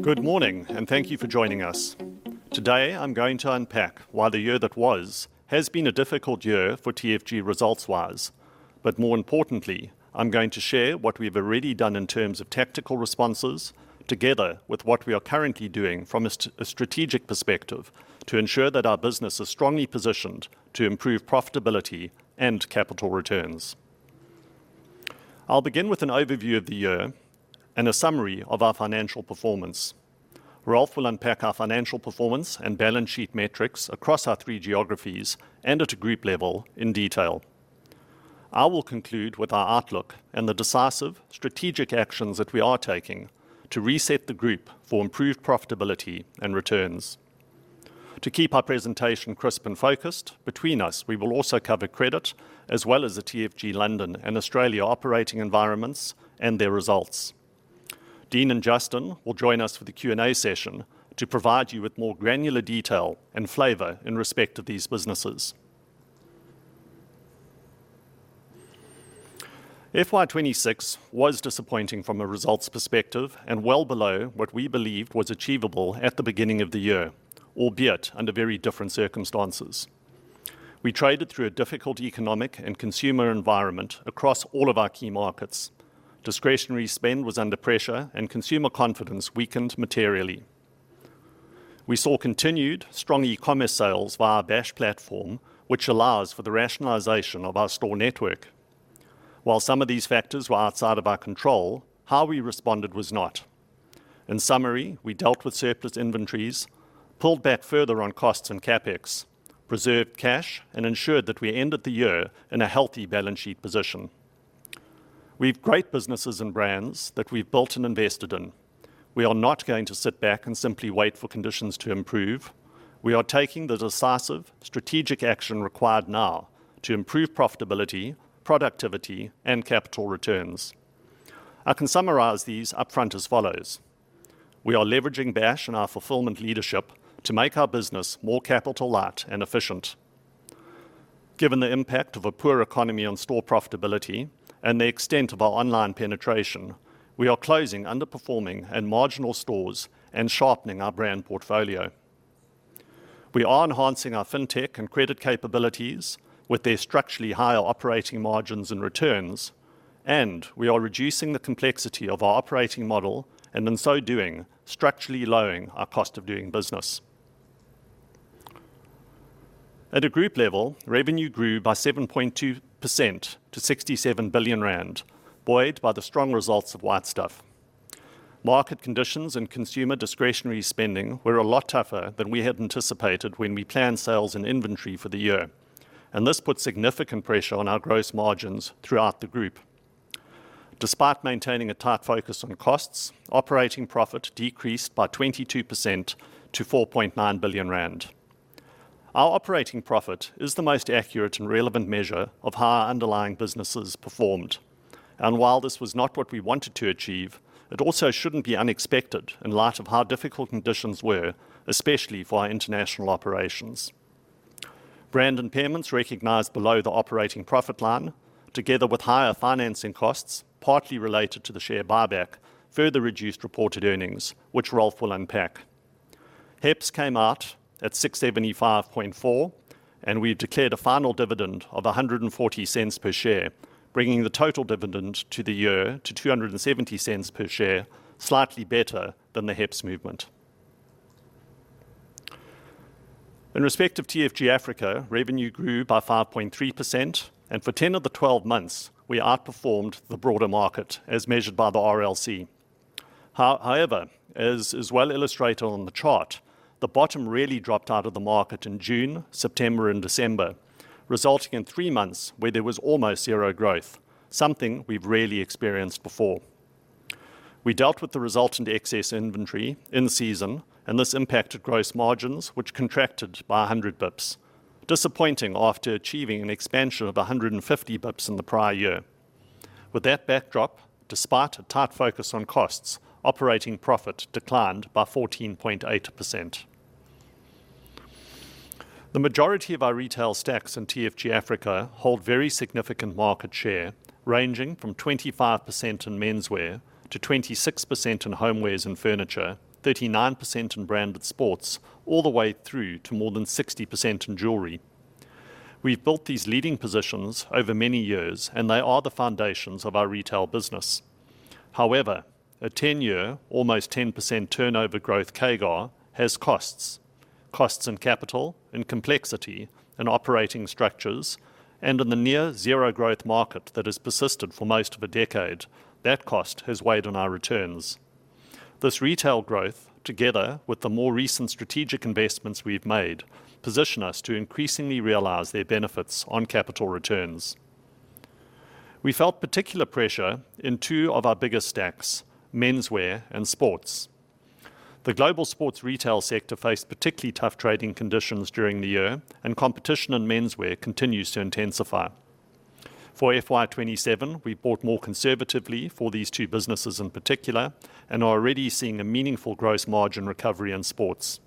Good morning, and thank you for joining us. Today, I'm going to unpack why the year that was has been a difficult year for TFG results-wise. More importantly, I'm going to share what we've already done in terms of tactical responses together with what we are currently doing from a strategic perspective to ensure that our business is strongly positioned to improve profitability and capital returns. I'll begin with an overview of the year and a summary of our financial performance. Ralph will unpack our financial performance and balance sheet metrics across our three geographies and at a group level in detail. I will conclude with our outlook and the decisive strategic actions that we are taking to reset the group for improved profitability and returns. To keep our presentation crisp and focused, between us, we will also cover credit, as well as the TFG London and Australia operating environments and their results. Dean and Justin will join us for the Q&A session to provide you with more granular detail and flavor in respect of these businesses. FY 2026 was disappointing from a results perspective and well below what we believed was achievable at the beginning of the year, albeit under very different circumstances. We traded through a difficult economic and consumer environment across all of our key markets. Discretionary spend was under pressure and consumer confidence weakened materially. We saw continued strong e-commerce sales via our Bash platform, which allows for the rationalization of our store network. While some of these factors were outside of our control, how we responded was not. In summary, we dealt with surplus inventories, pulled back further on costs and CapEx, preserved cash, and ensured that we ended the year in a healthy balance sheet position. We've great businesses and brands that we've built and invested in. We are not going to sit back and simply wait for conditions to improve. We are taking the decisive strategic action required now to improve profitability, productivity, and capital returns. I can summarize these upfront as follows: We are leveraging Bash and our fulfillment leadership to make our business more capital light and efficient. Given the impact of a poor economy on store profitability and the extent of our online penetration, we are closing underperforming and marginal stores and sharpening our brand portfolio. We are enhancing our fintech and credit capabilities with their structurally higher operating margins and returns, we are reducing the complexity of our operating model, and in so doing, structurally lowering our cost of doing business. At a group level, revenue grew by 7.2% to 67 billion rand, buoyed by the strong results of White Stuff. Market conditions and consumer discretionary spending were a lot tougher than we had anticipated when we planned sales and inventory for the year, and this put significant pressure on our gross margins throughout the group. Despite maintaining a tight focus on costs, operating profit decreased by 22% to 4.9 billion rand. Our operating profit is the most accurate and relevant measure of how our underlying businesses performed. While this was not what we wanted to achieve, it also shouldn't be unexpected in light of how difficult conditions were, especially for our international operations. Brand impairments recognized below the operating profit line, together with higher financing costs, partly related to the share buyback, further reduced reported earnings, which Ralph will unpack. HEPS came out at 675.4, and we have declared a final dividend of 1.40 per share, bringing the total dividend to the year to 2.70 per share, slightly better than the HEPS movement. In respect of TFG Africa, revenue grew by 5.3%, and for 10 of the 12 months, we outperformed the broader market as measured by the RLC. However, as well illustrated on the chart, the bottom really dropped out of the market in June, September, and December, resulting in three months where there was almost zero growth, something we've rarely experienced before. We dealt with the resultant excess inventory in season. This impacted gross margins, which contracted by 100 bips. Disappointing after achieving an expansion of 150 bips in the prior year. With that backdrop, despite a tight focus on costs, operating profit declined by 14.8%. The majority of our retail stacks in TFG Africa hold very significant market share, ranging from 25% in menswear to 26% in homewares and furniture, 39% in branded sports, all the way through to more than 60% in jewelry. We've built these leading positions over many years. They are the foundations of our retail business. However, a 10-year, almost 10% turnover growth CAGR has costs. Costs and capital and complexity and operating structures, and in the near zero-growth market that has persisted for most of a decade, that cost has weighed on our returns. This retail growth, together with the more recent strategic investments we've made, position us to increasingly realize their benefits on capital returns. We felt particular pressure in two of our biggest stacks, menswear and sports. The global sports retail sector faced particularly tough trading conditions during the year, and competition in menswear continues to intensify. For FY 2027, we bought more conservatively for these two businesses in particular and are already seeing a meaningful gross margin recovery in sports.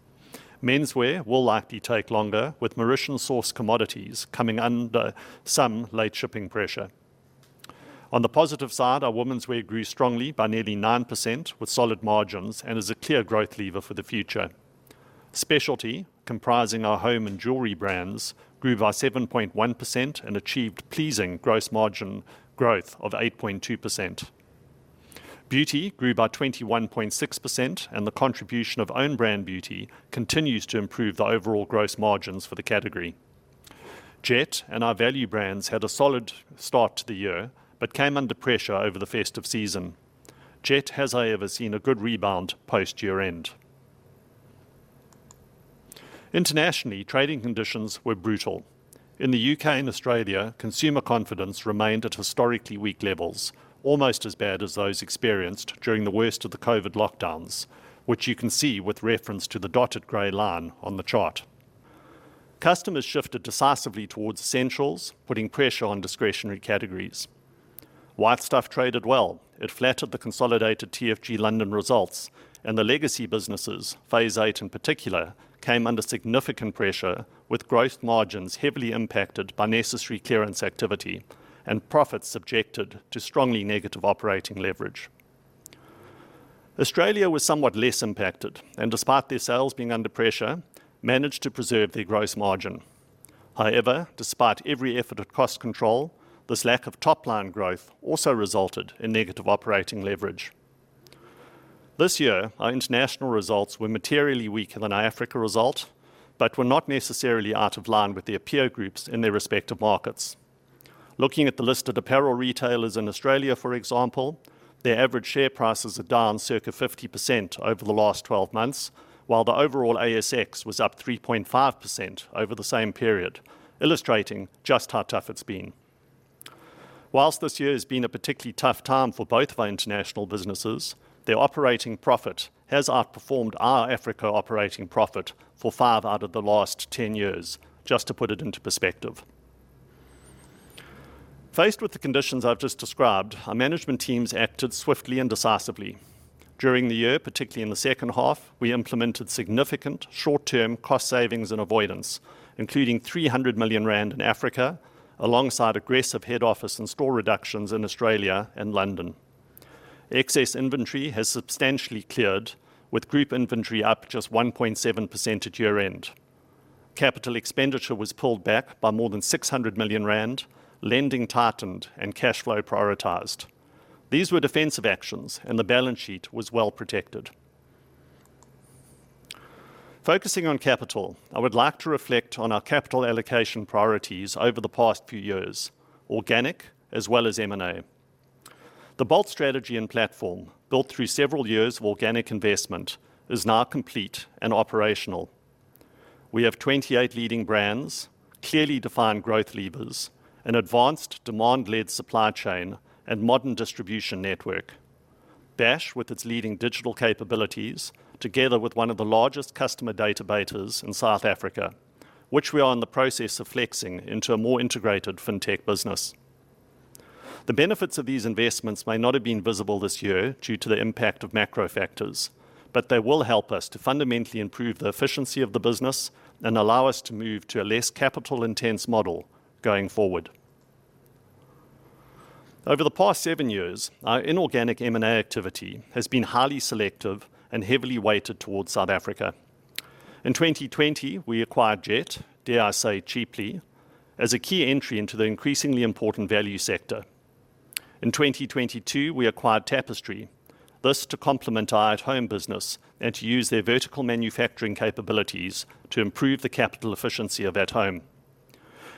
Menswear will likely take longer, with Mauritian-sourced commodities coming under some late shipping pressure. On the positive side, our womenswear grew strongly by nearly 9% with solid margins and is a clear growth lever for the future. Specialty, comprising our home and jewelry brands, grew by 7.1% and achieved pleasing gross margin growth of 8.2%. Beauty grew by 21.6%. The contribution of own brand beauty continues to improve the overall gross margins for the category. Jet and our value brands had a solid start to the year but came under pressure over the festive season. Jet has, however, seen a good rebound post-year end. Internationally, trading conditions were brutal. In the U.K. and Australia, consumer confidence remained at historically weak levels, almost as bad as those experienced during the worst of the COVID lockdowns, which you can see with reference to the dotted gray line on the chart. Customers shifted decisively towards essentials, putting pressure on discretionary categories. White Stuff traded well. It flattered the consolidated TFG London results and the legacy businesses, Phase Eight in particular, came under significant pressure, with gross margins heavily impacted by necessary clearance activity and profits subjected to strongly negative operating leverage. Australia was somewhat less impacted and despite their sales being under pressure, managed to preserve their gross margin. However, despite every effort at cost control, this lack of top-line growth also resulted in negative operating leverage. This year, our international results were materially weaker than our Africa result, but were not necessarily out of line with their peer groups in their respective markets. Looking at the listed apparel retailers in Australia, for example, their average share prices are down circa 50% over the last 12 months, while the overall ASX was up 3.5% over the same period, illustrating just how tough it's been. Whilst this year has been a particularly tough time for both of our international businesses, their operating profit has outperformed our Africa operating profit for five out of the last 10 years, just to put it into perspective. Faced with the conditions I've just described, our management teams acted swiftly and decisively. During the year, particularly in the second half, we implemented significant short-term cost savings and avoidance, including 300 million rand in Africa, alongside aggressive head office and store reductions in Australia and London. Excess inventory has substantially cleared, with group inventory up just 1.7% at year-end. Capital expenditure was pulled back by more than 600 million rand, lending tightened, and cash flow prioritized. These were defensive actions and the balance sheet was well protected. Focusing on capital, I would like to reflect on our capital allocation priorities over the past few years, organic as well as M&A. The BOLTS strategy and platform, built through several years of organic investment, is now complete and operational. We have 28 leading brands, clearly defined growth levers, an advanced demand-led supply chain, and modern distribution network. Bash, with its leading digital capabilities, together with one of the largest customer databases in South Africa, which we are in the process of flexing into a more integrated fintech business. The benefits of these investments may not have been visible this year due to the impact of macro factors, but they will help us to fundamentally improve the efficiency of the business and allow us to move to a less capital-intense model going forward. Over the past seven years, our inorganic M&A activity has been highly selective and heavily weighted towards South Africa. In 2020, we acquired Jet, dare I say cheaply, as a key entry into the increasingly important value sector. In 2022, we acquired Tapestry, this to complement our at-home business and to use their vertical manufacturing capabilities to improve the capital efficiency of at home.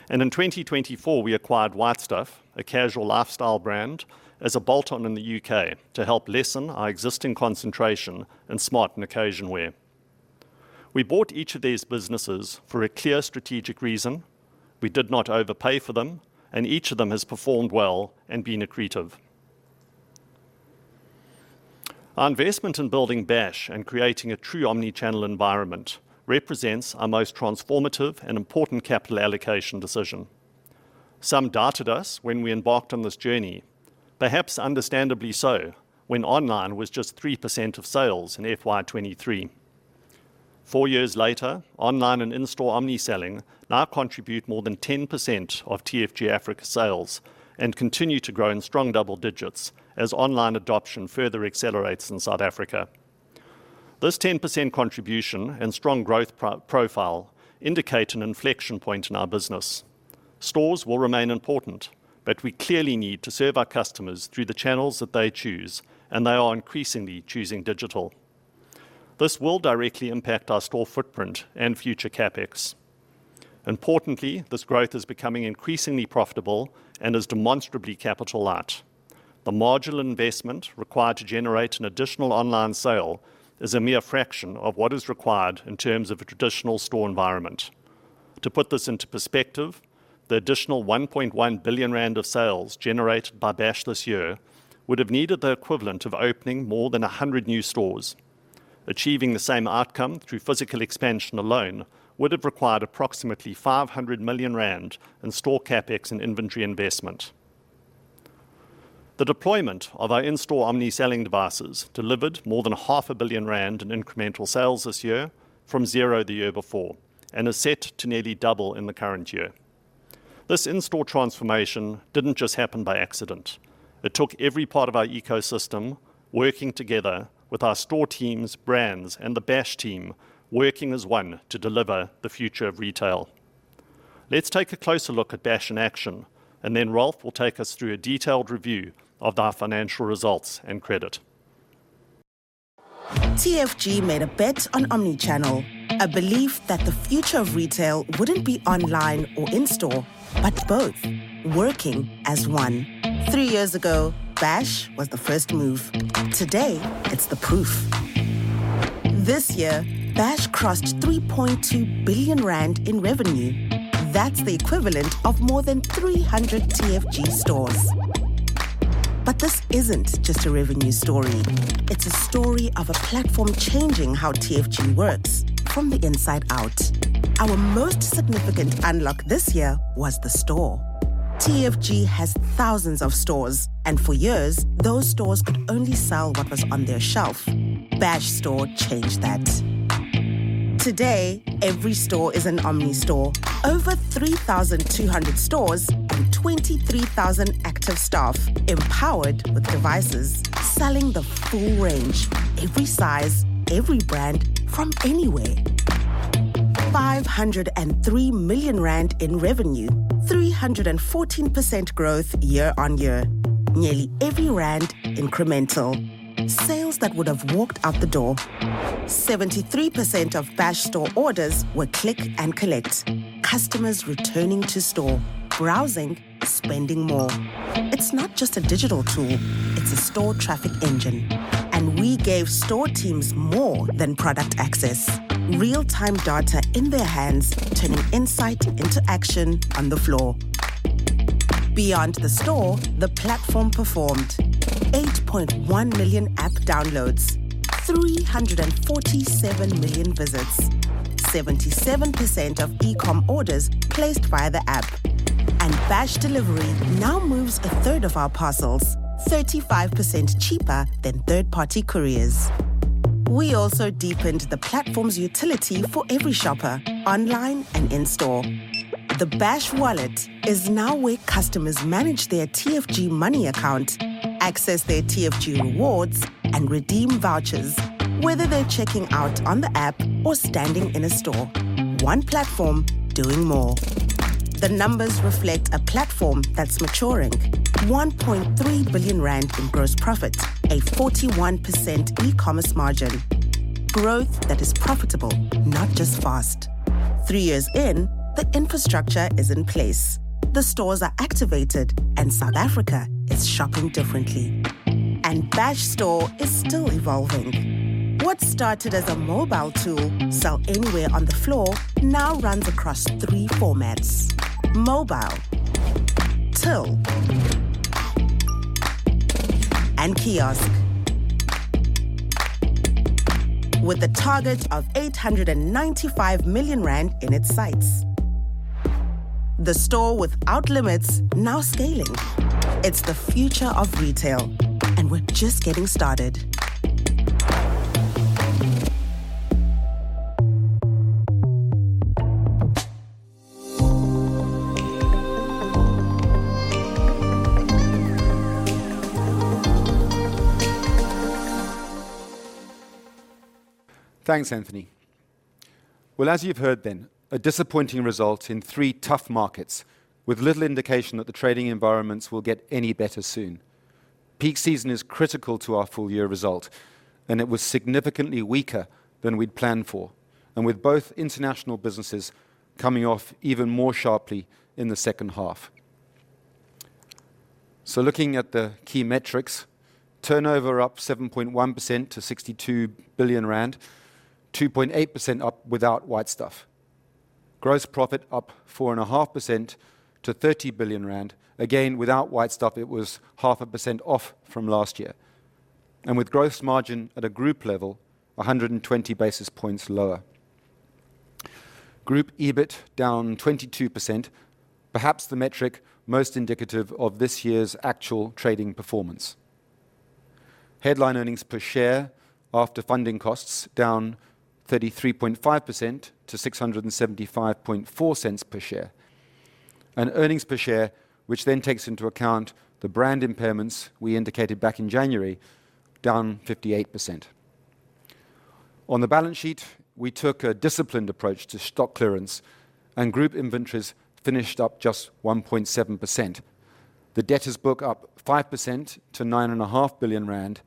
In 2024, we acquired White Stuff, a casual lifestyle brand, as a bolt-on in the U.K. to help lessen our existing concentration in smart and occasion wear. We bought each of these businesses for a clear strategic reason. We did not overpay for them, and each of them has performed well and been accretive. Our investment in building Bash and creating a true omni-channel environment represents our most transformative and important capital allocation decision. Some doubted us when we embarked on this journey, perhaps understandably so, when online was just 3% of sales in FY 2023. Four years later, online and in-store omni selling now contribute more than 10% of TFG Africa sales and continue to grow in strong double-digits as online adoption further accelerates in South Africa. This 10% contribution and strong growth profile indicate an inflection point in our business. Stores will remain important, we clearly need to serve our customers through the channels that they choose, and they are increasingly choosing digital. This will directly impact our store footprint and future CapEx. Importantly, this growth is becoming increasingly profitable and is demonstrably capital light. The marginal investment required to generate an additional online sale is a mere fraction of what is required in terms of a traditional store environment. To put this into perspective, the additional 1.1 billion rand of sales generated by Bash this year would have needed the equivalent of opening more than 100 new stores. Achieving the same outcome through physical expansion alone would have required approximately 500 million rand in store CapEx and inventory investment. The deployment of our in-store omni selling devices delivered more than 500 million rand in incremental sales this year. From zero the year before, and is set to nearly double in the current year. This in-store transformation didn't just happen by accident. It took every part of our ecosystem working together with our store teams, brands, and the Bash team working as one to deliver the future of retail. Let's take a closer look at Bash in action, and then Ralph will take us through a detailed review of our financial results and credit. TFG made a bet on omnichannel, a belief that the future of retail wouldn't be online or in-store, but both working as one. Three years ago, Bash was the first move. Today, it's the proof. This year, Bash crossed 3.2 billion rand in revenue. That's the equivalent of more than 300 TFG stores. This isn't just a revenue story. It's a story of a platform changing how TFG works from the inside out. Our most significant unlock this year was the store. TFG has thousands of stores, and for years, those stores could only sell what was on their shelf. Bash store changed that. Today, every store is an omni-store. Over 3,200 stores and 23,000 active staff, empowered with devices, selling the full range, every size, every brand from anywhere. 503 million rand in revenue, 314% growth year-over-year. Nearly every rand incremental. Sales that would have walked out the door. 73% of Bash store orders were click and collect. Customers returning to store, browsing, spending more. It's not just a digital tool, it's a store traffic engine. I gave store teams more than product access, real-time data in their hands, turning insight into action on the floor. Beyond the store, the platform performed 8.1 million app downloads, 347 million visits, 77% of e-com orders placed via the app. Bash Delivery now moves a third of our parcels, 35% cheaper than third-party couriers. We also deepened the platform's utility for every shopper, online and in-store. The Bash Wallet is now where customers manage their TFG Money account, access their TFG Rewards, and redeem vouchers, whether they're checking out on the app or standing in a store. One platform doing more. The numbers reflect a platform that's maturing. 1.3 billion in gross profit, a 41% e-commerce margin. Growth that is profitable, not just fast. Three years in, the infrastructure is in place. The stores are activated, South Africa is shopping differently. Bash store is still evolving. What started as a mobile tool, sell anywhere on the floor, now runs across three formats: mobile, till, and kiosk. With a target of 895 million rand in its sights. The store without limits, now scaling. It's the future of retail, we're just getting started. Thanks, Anthony. As you've heard, a disappointing result in three tough markets with little indication that the trading environments will get any better soon. Peak season is critical to our full-year result, and it was significantly weaker than we'd planned for, and with both international businesses coming off even more sharply in the second half. Looking at the key metrics, turnover up 7.1% to 62 billion rand, 2.8% up without White Stuff. Gross profit up 4.5% to 30 billion rand. Again, without White Stuff, it was 0.5% off from last year. With gross margin at a group level 120 basis points lower. Group EBIT down 22%, perhaps the metric most indicative of this year's actual trading performance. Headline earnings per share after funding costs down 33.5% to ZAR 6.754 per share. Earnings per share, which then takes into account the brand impairments we indicated back in January, down 58%. On the balance sheet, we took a disciplined approach to stock clearance and group inventories finished up just 1.7%. The debtors book up 5% to 9.5 billion rand,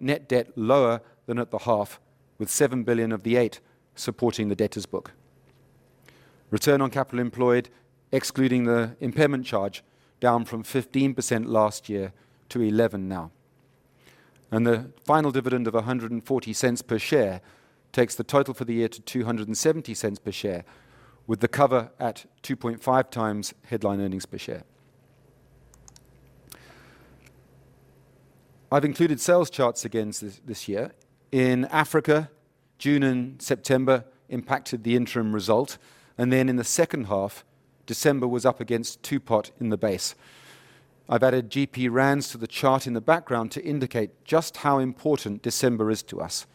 net debt lower than at the half, with 7 billion of the 8 billion supporting the debtors book. Return on capital employed, excluding the impairment charge, down from 15% last year to 11% now. The final dividend of 1.40 per share takes the total for the year to 2.70 per share, with the cover at 2.5x headline earnings per share. I've included sales charts again this year. In Africa, June and September impacted the interim result, in the second half, December was up against Two-Pot in the base. I've added GP Rands to the chart in the background to indicate just how important December is to us.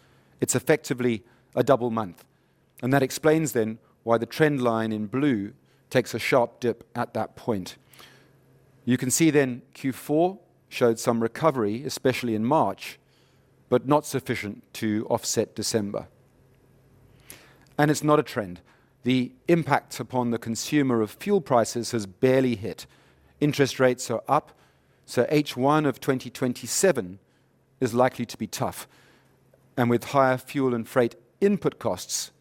It's effectively a double month. That explains then why the trend line in blue takes a sharp dip at that point. You can see then Q4 showed some recovery, especially in March, not sufficient to offset December. It's not a trend. The impact upon the consumer of fuel prices has barely hit. Interest rates are up. H1 of 2027 is likely to be tough. With higher fuel and freight input costs,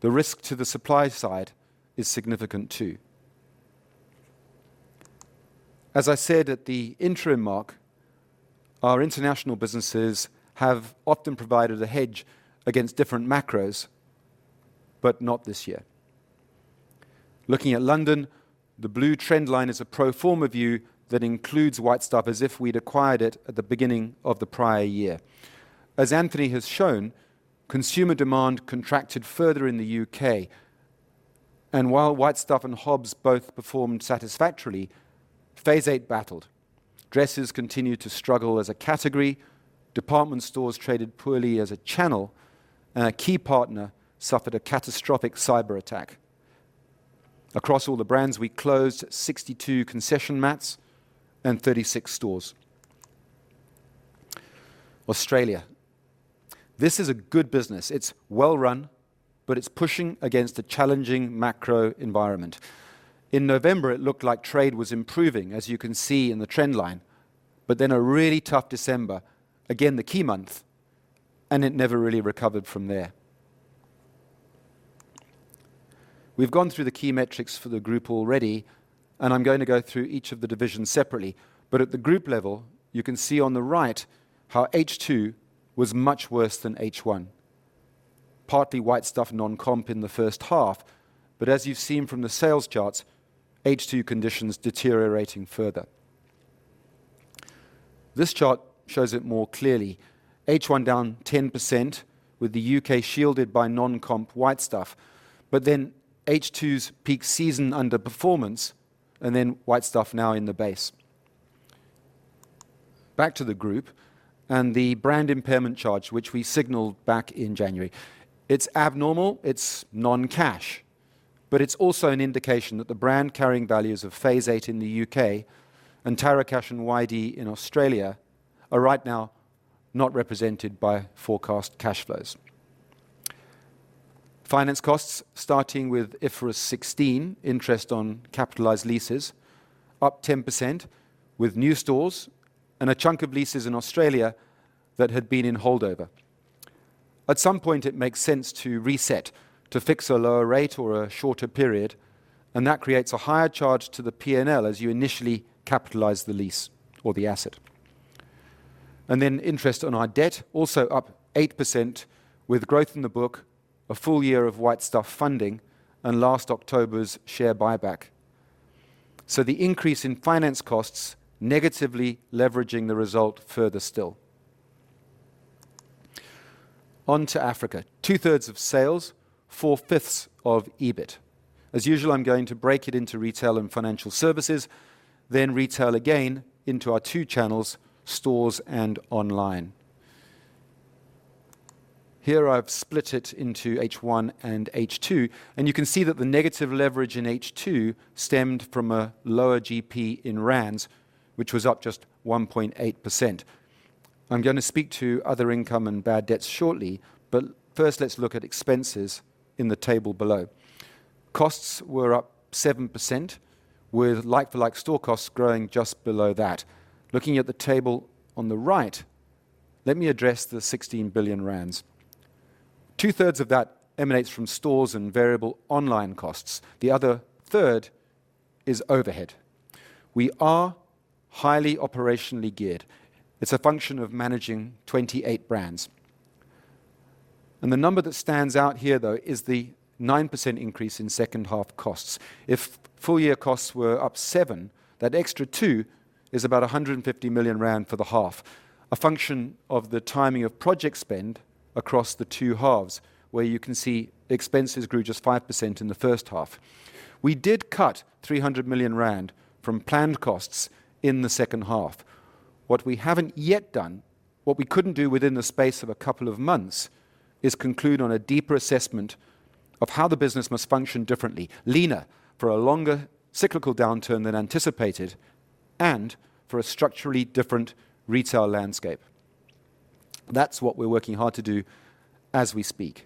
the risk to the supply side is significant, too. As I said at the interim mark, our international businesses have often provided a hedge against different macros, not this year. Looking at London, the blue trend line is a pro forma view that includes White Stuff as if we'd acquired it at the beginning of the prior year. As Anthony has shown, consumer demand contracted further in the U.K. While White Stuff and Hobbs both performed satisfactorily, Phase Eight battled. Dresses continued to struggle as a category, department stores traded poorly as a channel, and a key partner suffered a catastrophic cyber attack. Across all the brands, we closed 62 concession mats and 36 stores. Australia. This is a good business. It's well-run, but it's pushing against a challenging macro environment. In November, it looked like trade was improving, as you can see in the trend line, but then a really tough December, again, the key month, and it never really recovered from there. We've gone through the key metrics for the group already, and I'm going to go through each of the divisions separately. At the group level, you can see on the right how H2 was much worse than H1. Partly White Stuff non-comp in the first half, but as you've seen from the sales charts, H2 conditions deteriorating further. This chart shows it more clearly. H1 down 10% with the U.K. shielded by non-comp White Stuff, but then H2's peak season under performance and then White Stuff now in the base. Back to the group and the brand impairment charge, which we signaled back in January. It's abnormal, it's non-cash, but it's also an indication that the brand carrying values of Phase Eight in the U.K. and Tarocash and yd. in Australia are right now not represented by forecast cash flows. Finance costs starting with IFRS 16, interest on capitalized leases up 10% with new stores and a chunk of leases in Australia that had been in holdover. At some point it makes sense to reset to fix a lower rate or a shorter period, that creates a higher charge to the P&L as you initially capitalize the lease or the asset. Interest on our debt also up 8% with growth in the book, a full year of White Stuff funding, and last October's share buyback. The increase in finance costs negatively leveraging the result further still. On to Africa. Two-thirds of sales, four-fifths of EBIT. As usual, I'm going to break it into retail and financial services, retail again into our two channels, stores and online. Here I've split it into H1 and H2, and you can see that the negative leverage in H2 stemmed from a lower GP in rands, which was up just 1.8%. I'm going to speak to other income and bad debts shortly, but first let's look at expenses in the table below. Costs were up 7% with like-for-like store costs growing just below that. Looking at the table on the right, let me address the 16 billion rand. Two-thirds of that emanates from stores and variable online costs. The other third is overhead. We are highly operationally geared. It's a function of managing 28 brands. The number that stands out here, though, is the 9% increase in second half costs. If full year costs were up 7%, that extra 2% is about 150 million rand for the half, a function of the timing of project spend across the two halves, where you can see expenses grew just 5% in the first half. We did cut 300 million rand from planned costs in the second half. What we haven't yet done, what we couldn't do within the space of a couple of months, is conclude on a deeper assessment of how the business must function differently, leaner for a longer cyclical downturn than anticipated, and for a structurally different retail landscape. That's what we're working hard to do as we speak.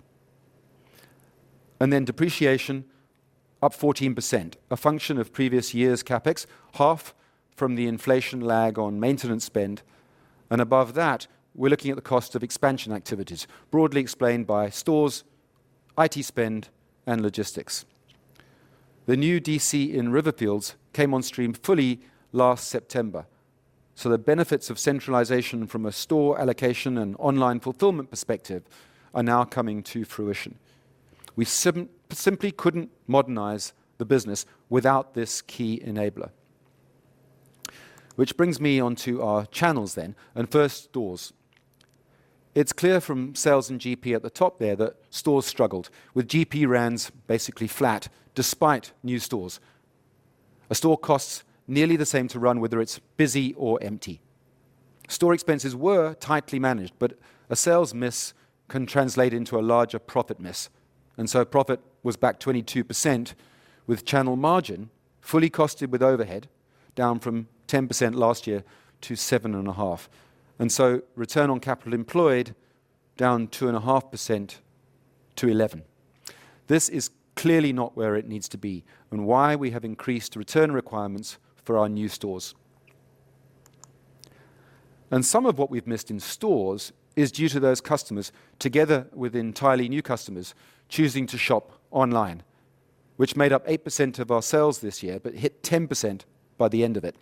Depreciation up 14%, a function of previous year's CapEx, half from the inflation lag on maintenance spend, and above that, we're looking at the cost of expansion activities, broadly explained by stores, IT spend, and logistics. The new DC in Riverfields came on stream fully last September, so the benefits of centralization from a store allocation and online fulfillment perspective are now coming to fruition. We simply couldn't modernize the business without this key enabler. Which brings me onto our channels then, and first stores. It's clear from sales and GP at the top there that stores struggled, with GP rands basically flat despite new stores. A store costs nearly the same to run whether it's busy or empty. Store expenses were tightly managed, but a sales miss can translate into a larger profit miss. Profit was back 22% with channel margin fully costed with overhead down from 10% last year to 7.5%. Return on capital employed down 2.5% to 11. This is clearly not where it needs to be and why we have increased return requirements for our new stores. Some of what we've missed in stores is due to those customers, together with entirely new customers, choosing to shop online, which made up 8% of our sales this year, but hit 10% by the end of it.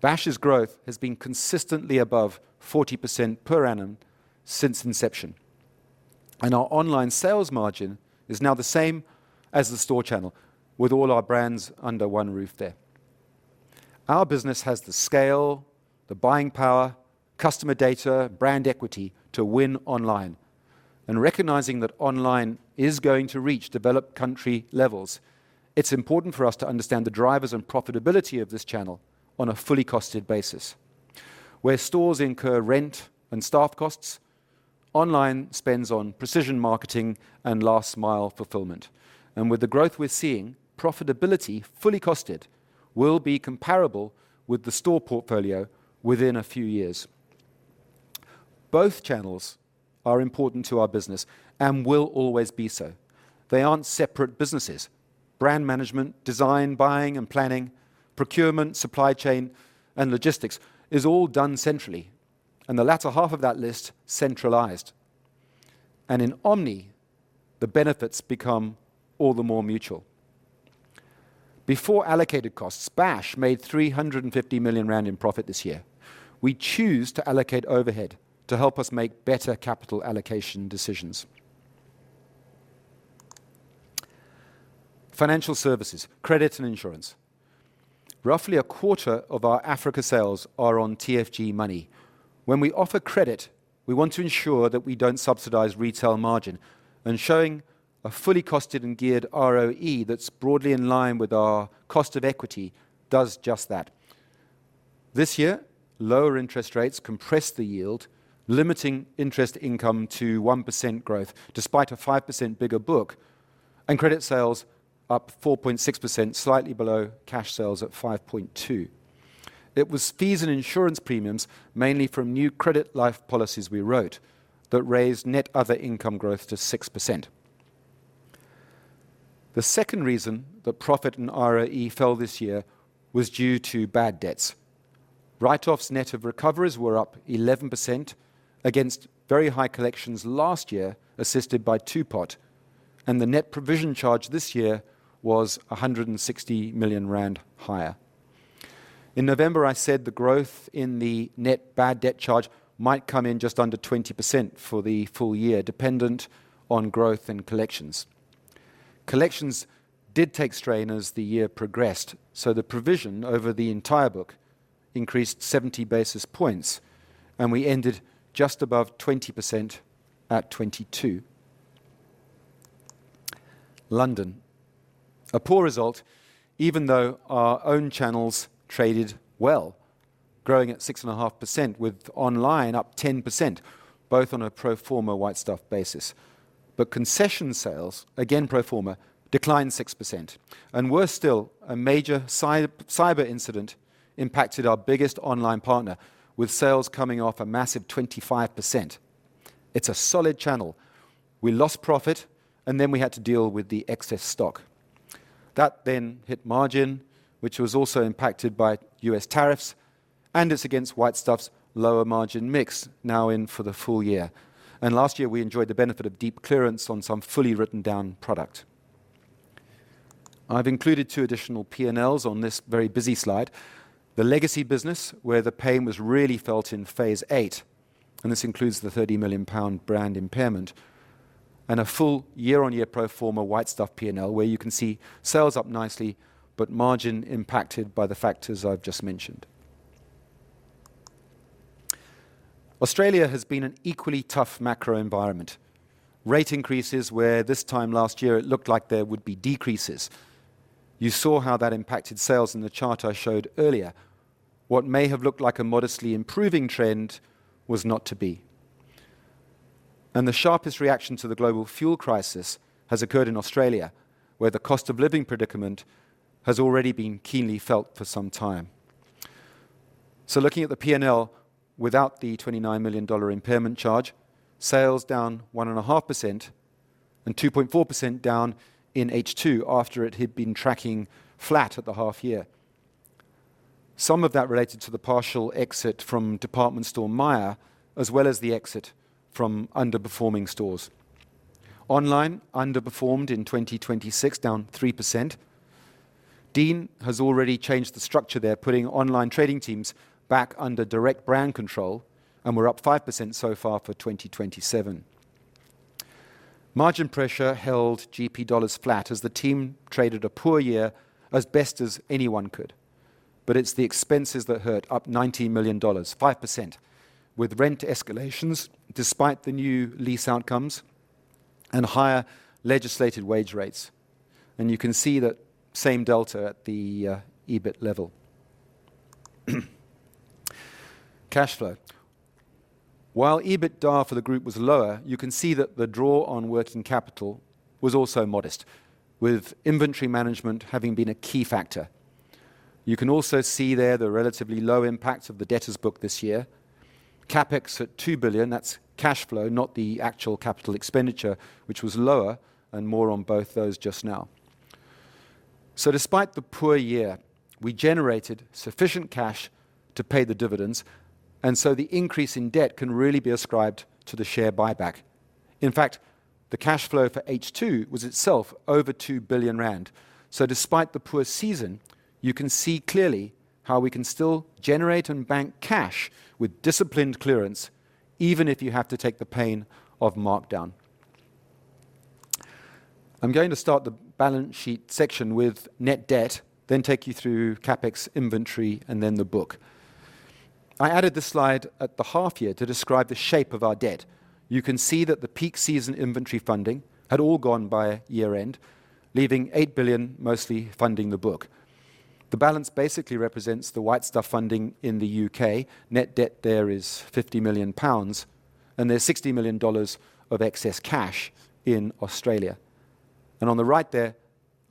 Bash's growth has been consistently above 40% per annum since inception, and our online sales margin is now the same as the store channel with all our brands under one roof there. Our business has the scale, the buying power, customer data, brand equity to win online. Recognizing that online is going to reach developed country levels, it's important for us to understand the drivers and profitability of this channel on a fully costed basis. Where stores incur rent and staff costs, online spends on precision marketing and last-mile fulfillment. With the growth we're seeing, profitability fully costed will be comparable with the store portfolio within a few years. Both channels are important to our business and will always be so. They aren't separate businesses. Brand management, design, buying and planning, procurement, supply chain, and logistics is all done centrally, and the latter half of that list centralized. In omni, the benefits become all the more mutual. Before allocated costs, Bash made 350 million rand in profit this year. We choose to allocate overhead to help us make better capital allocation decisions. Financial services, credit, and insurance. Roughly a quarter of our Africa sales are on TFG Money. When we offer credit, we want to ensure that we don't subsidize retail margin and showing a fully costed and geared ROE that's broadly in line with our cost of equity does just that. This year, lower interest rates compressed the yield, limiting interest income to 1% growth despite a 5% bigger book and credit sales up 4.6%, slightly below cash sales at 5.2%. It was fees and insurance premiums, mainly from new credit life policies we wrote, that raised net other income growth to 6%. The second reason that profit and ROE fell this year was due to bad debts. Write-offs net of recoveries were up 11% against very high collections last year, assisted by Two-Pot, and the net provision charge this year was 160 million rand higher. In November, I said the growth in the net bad debt charge might come in just under 20% for the full year, dependent on growth and collections. Collections did take strain as the year progressed, so the provision over the entire book increased 70 basis points, and we ended just above 20% at 22%. London. A poor result even though our own channels traded well, growing at 6.5% with online up 10%, both on a pro forma White Stuff basis. Concession sales, again pro forma, declined 6%. Worse still, a major cyber incident impacted our biggest online partner with sales coming off a massive 25%. It's a solid channel. We lost profit, and then we had to deal with the excess stock. That then hit margin, which was also impacted by U.S. tariffs, and it's against White Stuff's lower margin mix now in for the full year. Last year, we enjoyed the benefit of deep clearance on some fully written down product. I've included two additional P&Ls on this very busy slide. The legacy business where the pain was really felt in Phase Eight, and this includes the 30 million pound brand impairment and a full year-on-year pro forma White Stuff P&L where you can see sales up nicely, but margin impacted by the factors I've just mentioned. Australia has been an equally tough macro environment. Rate increases where this time last year it looked like there would be decreases. You saw how that impacted sales in the chart I showed earlier. What may have looked like a modestly improving trend was not to be. The sharpest reaction to the global fuel crisis has occurred in Australia, where the cost of living predicament has already been keenly felt for some time. Looking at the P&L without the ZAR 29 million impairment charge, sales down 1.5% and 2.4% down in H2 after it had been tracking flat at the half year. Some of that related to the partial exit from department store Myer, as well as the exit from underperforming stores. Online underperformed in 2026, down 3%. Dean has already changed the structure there, putting online trading teams back under direct brand control, and we're up 5% so far for 2027. Margin pressure held GP dollars flat as the team traded a poor year as best as anyone could. It's the expenses that hurt, up $19 million, 5%, with rent escalations despite the new lease outcomes and higher legislated wage rates. You can see that same delta at the EBIT level. Cash flow. While EBITDA for the group was lower, you can see that the draw on working capital was also modest, with inventory management having been a key factor. You can also see there the relatively low impact of the debtors book this year. CapEx at 2 billion, that's cash flow, not the actual capital expenditure, which was lower and more on both those just now. Despite the poor year, we generated sufficient cash to pay the dividends, the increase in debt can really be ascribed to the share buyback. In fact, the cash flow for H2 was itself over 2 billion rand. Despite the poor season, you can see clearly how we can still generate and bank cash with disciplined clearance, even if you have to take the pain of markdown. I'm going to start the balance sheet section with net debt, then take you through CapEx inventory and then the book. I added this slide at the half year to describe the shape of our debt. You can see that the peak season inventory funding had all gone by year-end, leaving 8 billion mostly funding the book. The balance basically represents the White Stuff funding in the U.K. Net debt there is 50 million pounds, and there's 60 million dollars of excess cash in Australia. On the right there,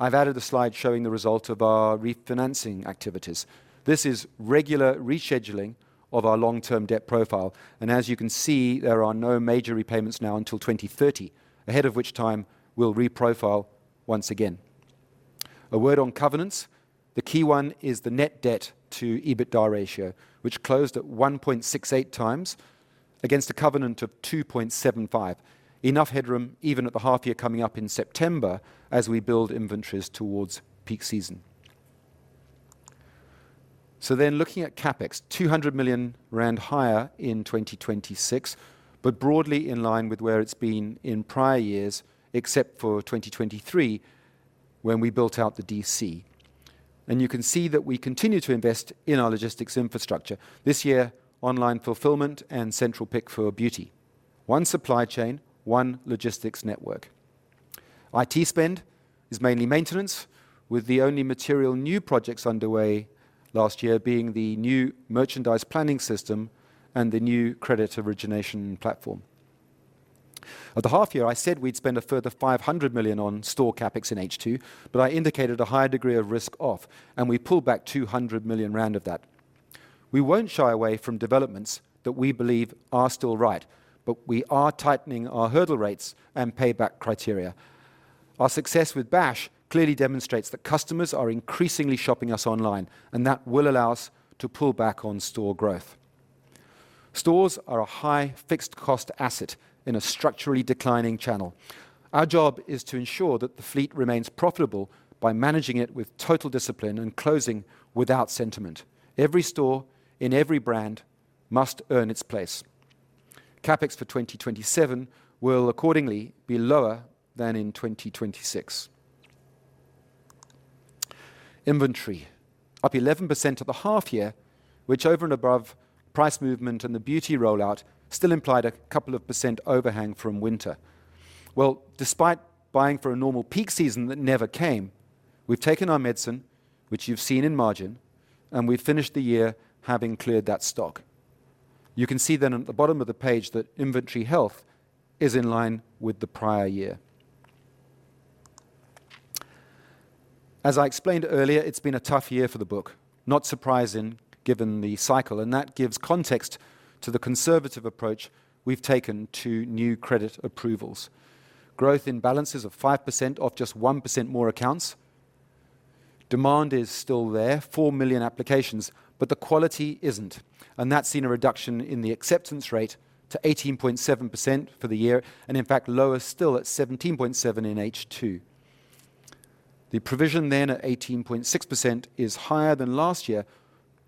I've added a slide showing the result of our refinancing activities. This is regular rescheduling of our long-term debt profile, and as you can see, there are no major repayments now until 2030, ahead of which time we'll re-profile once again. A word on covenants. The key one is the net debt to EBITDA ratio, which closed at 1.68x against a covenant of 2.75x. Enough headroom even at the half year coming up in September as we build inventories towards peak season. Looking at CapEx, 200 million rand higher in 2026, but broadly in line with where it's been in prior years except for 2023 when we built out the DC. You can see that we continue to invest in our logistics infrastructure. This year, online fulfillment and central pick for beauty. One supply chain, one logistics network. IT spend is mainly maintenance, with the only material new projects underway last year being the new merchandise planning system and the new credit origination platform. At the half year, I said we'd spend a further 500 million on store CapEx in H2, I indicated a higher degree of risk off, and we pulled back 200 million rand of that. We won't shy away from developments that we believe are still right, we are tightening our hurdle rates and payback criteria. Our success with Bash clearly demonstrates that customers are increasingly shopping us online, that will allow us to pull back on store growth. Stores are a high fixed cost asset in a structurally declining channel. Our job is to ensure that the fleet remains profitable by managing it with total discipline and closing without sentiment. Every store in every brand must earn its place. CapEx for 2027 will accordingly be lower than in 2026. Inventory up 11% at the half year, which over and above price movement and the beauty rollout still implied a couple of % overhang from winter. Well, despite buying for a normal peak season that never came, we've taken our medicine, which you've seen in margin, and we've finished the year having cleared that stock. You can see at the bottom of the page that inventory health is in line with the prior year. As I explained earlier, it's been a tough year for the book. Not surprising given the cycle, that gives context to the conservative approach we've taken to new credit approvals. Growth in balances of 5% off just 1% more accounts. Demand is still there, 4 million applications. The quality isn't. That's seen a reduction in the acceptance rate to 18.7% for the year. In fact lower still at 17.7% in H2. The provision at 18.6% is higher than last year.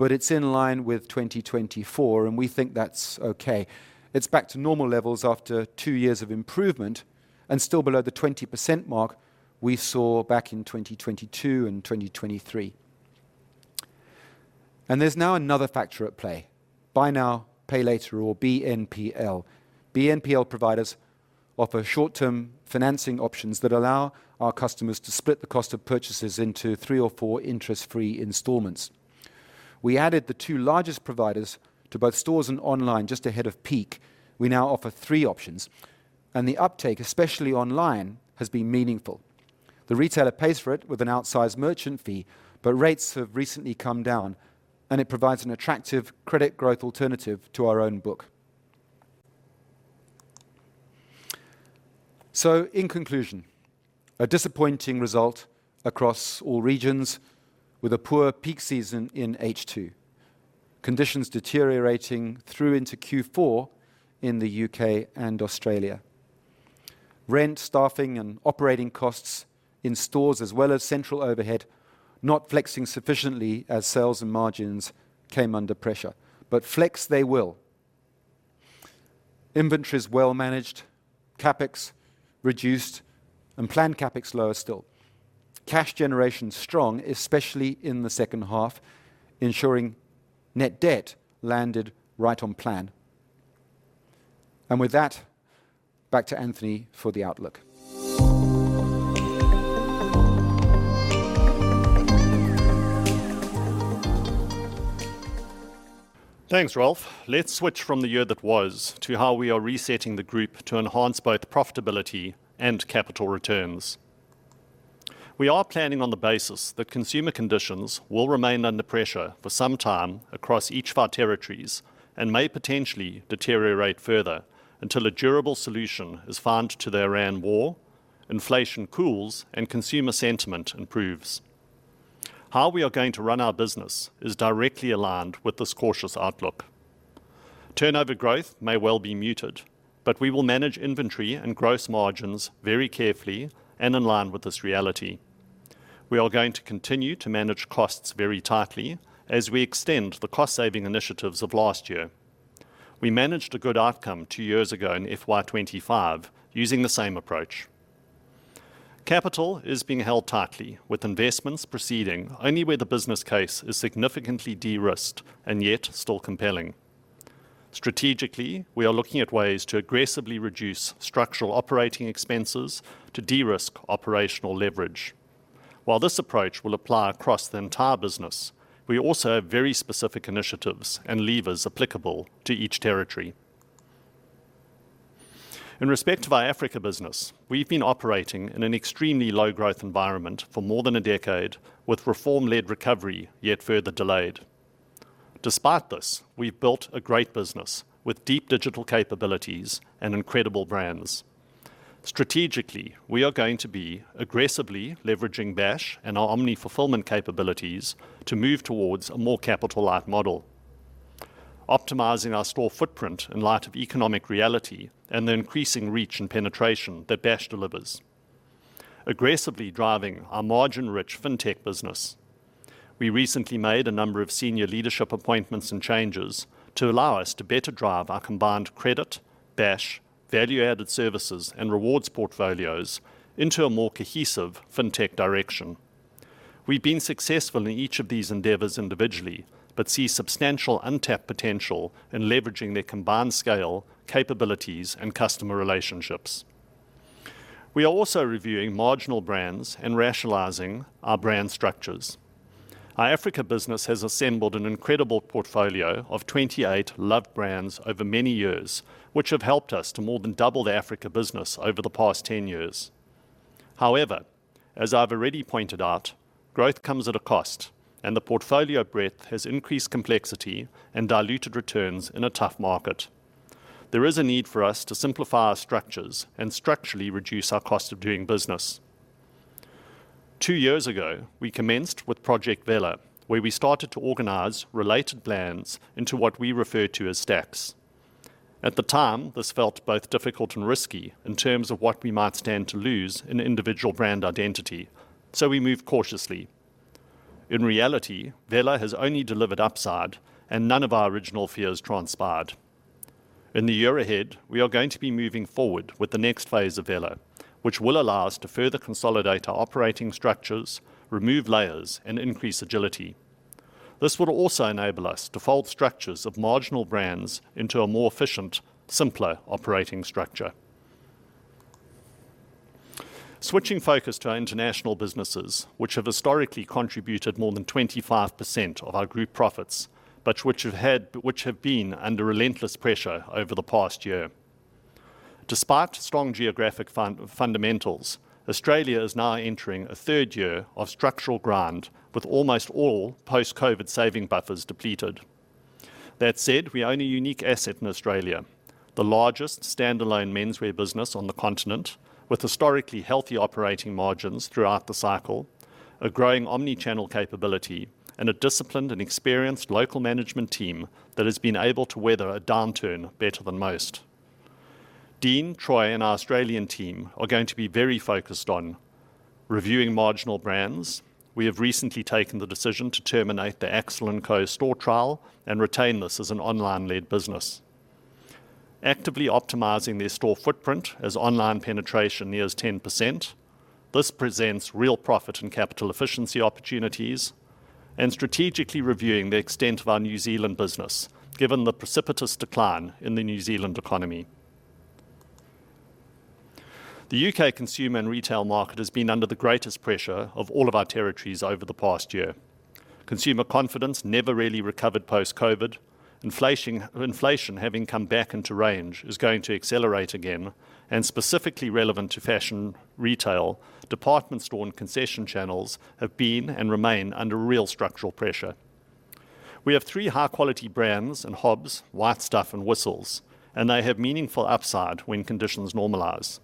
It's in line with 2024. We think that's okay. It's back to normal levels after two years of improvement and still below the 20% mark we saw back in 2022 and 2023. There's now another factor at play. Buy now, pay later or BNPL. BNPL providers offer short-term financing options that allow our customers to split the cost of purchases into three or four interest-free installments. We added the two largest providers to both stores and online just ahead of peak. We now offer three options, and the uptake, especially online, has been meaningful. The retailer pays for it with an outsized merchant fee, but rates have recently come down, and it provides an attractive credit growth alternative to our own book. In conclusion, a disappointing result across all regions with a poor peak season in H2. Conditions deteriorating through into Q4 in the U.K. and Australia. Rent, staffing, and operating costs in stores as well as central overhead not flexing sufficiently as sales and margins came under pressure, but flex they will. Inventories well managed, CapEx reduced, and planned CapEx lower still. Cash generation strong, especially in the second half, ensuring net debt landed right on plan. With that, back to Anthony for the outlook. Thanks, Ralph. Let's switch from the year that was, to how we are resetting the group to enhance both profitability and capital returns. We are planning on the basis that consumer conditions will remain under pressure for some time across each of our territories and may potentially deteriorate further until a durable solution is found to the Iran war, inflation cools, and consumer sentiment improves. How we are going to run our business is directly aligned with this cautious outlook. Turnover growth may well be muted. We will manage inventory and gross margins very carefully and in line with this reality. We are going to continue to manage costs very tightly as we extend the cost-saving initiatives of last year. We managed a good outcome two years ago in FY 2025 using the same approach. Capital is being held tightly with investments proceeding only where the business case is significantly de-risked and yet still compelling. Strategically, we are looking at ways to aggressively reduce structural operating expenses to de-risk operational leverage. While this approach will apply across the entire business, we also have very specific initiatives and levers applicable to each territory. In respect of our Africa business, we've been operating in an extremely low growth environment for more than a decade, with reform-led recovery yet further delayed. Despite this, we've built a great business with deep digital capabilities and incredible brands. Strategically, we are going to be aggressively leveraging Bash and our omni-fulfillment capabilities to move towards a more capital light model, optimizing our store footprint in light of economic reality and the increasing reach and penetration that Bash delivers. Aggressively driving our margin-rich fintech business. We recently made a number of senior leadership appointments and changes to allow us to better drive our combined credit, Bash, value-added services, and rewards portfolios into a more cohesive fintech direction. We've been successful in each of these endeavors individually, but see substantial untapped potential in leveraging their combined scale, capabilities, and customer relationships. We are also reviewing marginal brands and rationalizing our brand structures. Our Africa business has assembled an incredible portfolio of 28 loved brands over many years, which have helped us to more than double the Africa business over the past 10 years. However, as I've already pointed out, growth comes at a cost, and the portfolio breadth has increased complexity and diluted returns in a tough market. There is a need for us to simplify our structures and structurally reduce our cost of doing business. Two years ago, we commenced with Project Vela, where we started to organize related brands into what we refer to as stacks. At the time, this felt both difficult and risky in terms of what we might stand to lose in individual brand identity, so we moved cautiously. In reality, Vela has only delivered upside and none of our original fears transpired. In the year ahead, we are going to be moving forward with the next phase of Vela, which will allow us to further consolidate our operating structures, remove layers, and increase agility. This will also enable us to fold structures of marginal brands into a more efficient, simpler operating structure. Switching focus to our international businesses, which have historically contributed more than 25% of our group profits, but which have been under relentless pressure over the past year. Despite strong geographic fundamentals, Australia is now entering a third year of structural ground with almost all post-COVID saving buffers depleted. That said, we own a unique asset in Australia, the largest standalone menswear business on the continent, with historically healthy operating margins throughout the cycle, a growing omni-channel capability, and a disciplined and experienced local management team that has been able to weather a downturn better than most. Dean, Troy, and our Australian team are going to be very focused on reviewing marginal brands. We have recently taken the decision to terminate the AXL+CO store trial and retain this as an online-led business. Actively optimizing their store footprint as online penetration nears 10%, this presents real profit and capital efficiency opportunities, and strategically reviewing the extent of our New Zealand business, given the precipitous decline in the New Zealand economy. The U.K. consumer and retail market has been under the greatest pressure of all of our territories over the past year. Consumer confidence never really recovered post-COVID. Inflation having come back into range is going to accelerate again, and specifically relevant to fashion, retail, department store, and concession channels have been and remain under real structural pressure. We have three high-quality brands in Hobbs, White Stuff, and Whistles, and they have meaningful upside when conditions normalize.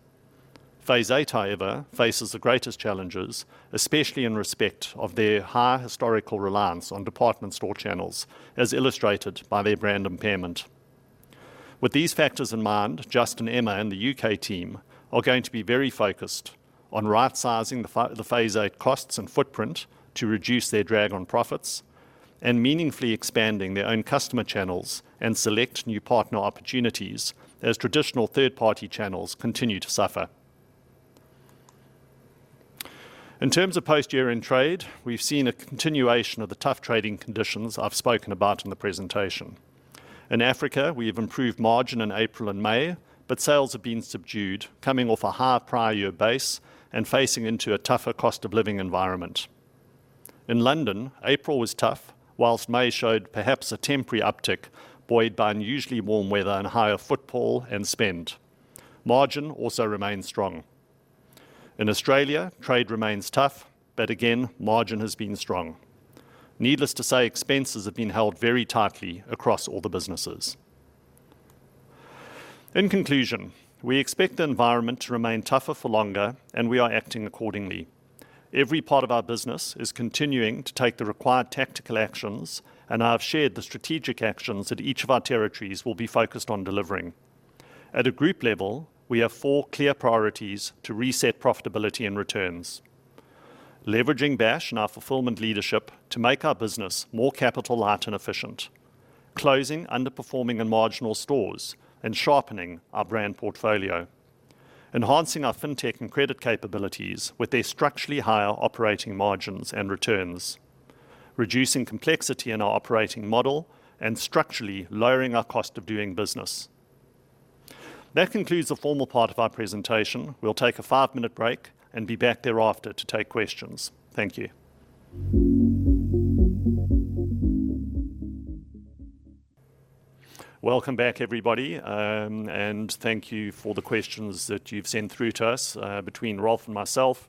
Phase Eight, however, faces the greatest challenges, especially in respect of their high historical reliance on department store channels, as illustrated by their brand impairment. With these factors in mind, Justin, Emma, and the U.K. team are going to be very focused on right-sizing the Phase Eight costs and footprint to reduce their drag on profits and meaningfully expanding their own customer channels and select new partner opportunities as traditional third-party channels continue to suffer. In terms of post-year-end trade, we've seen a continuation of the tough trading conditions I've spoken about in the presentation. In Africa, we have improved margin in April and May, but sales have been subdued, coming off a high prior year base and facing into a tougher cost of living environment. In London, April was tough, whilst May showed perhaps a temporary uptick buoyed by unusually warm weather and higher footfall and spend. Margin also remains strong. In Australia, trade remains tough, but again, margin has been strong. Needless to say, expenses have been held very tightly across all the businesses. In conclusion, we expect the environment to remain tougher for longer, and we are acting accordingly. Every part of our business is continuing to take the required tactical actions, and I've shared the strategic actions that each of our territories will be focused on delivering. At a group level, we have four clear priorities to reset profitability and returns. Leveraging Bash and our fulfillment leadership to make our business more capital light and efficient, closing underperforming and marginal stores, and sharpening our brand portfolio, enhancing our fintech and credit capabilities with their structurally higher operating margins and returns, reducing complexity in our operating model, and structurally lowering our cost of doing business. That concludes the formal part of our presentation. We'll take a five-minute break and be back thereafter to take questions. Thank you. Welcome back, everybody, and thank you for the questions that you've sent through to us. Between Ralph and myself,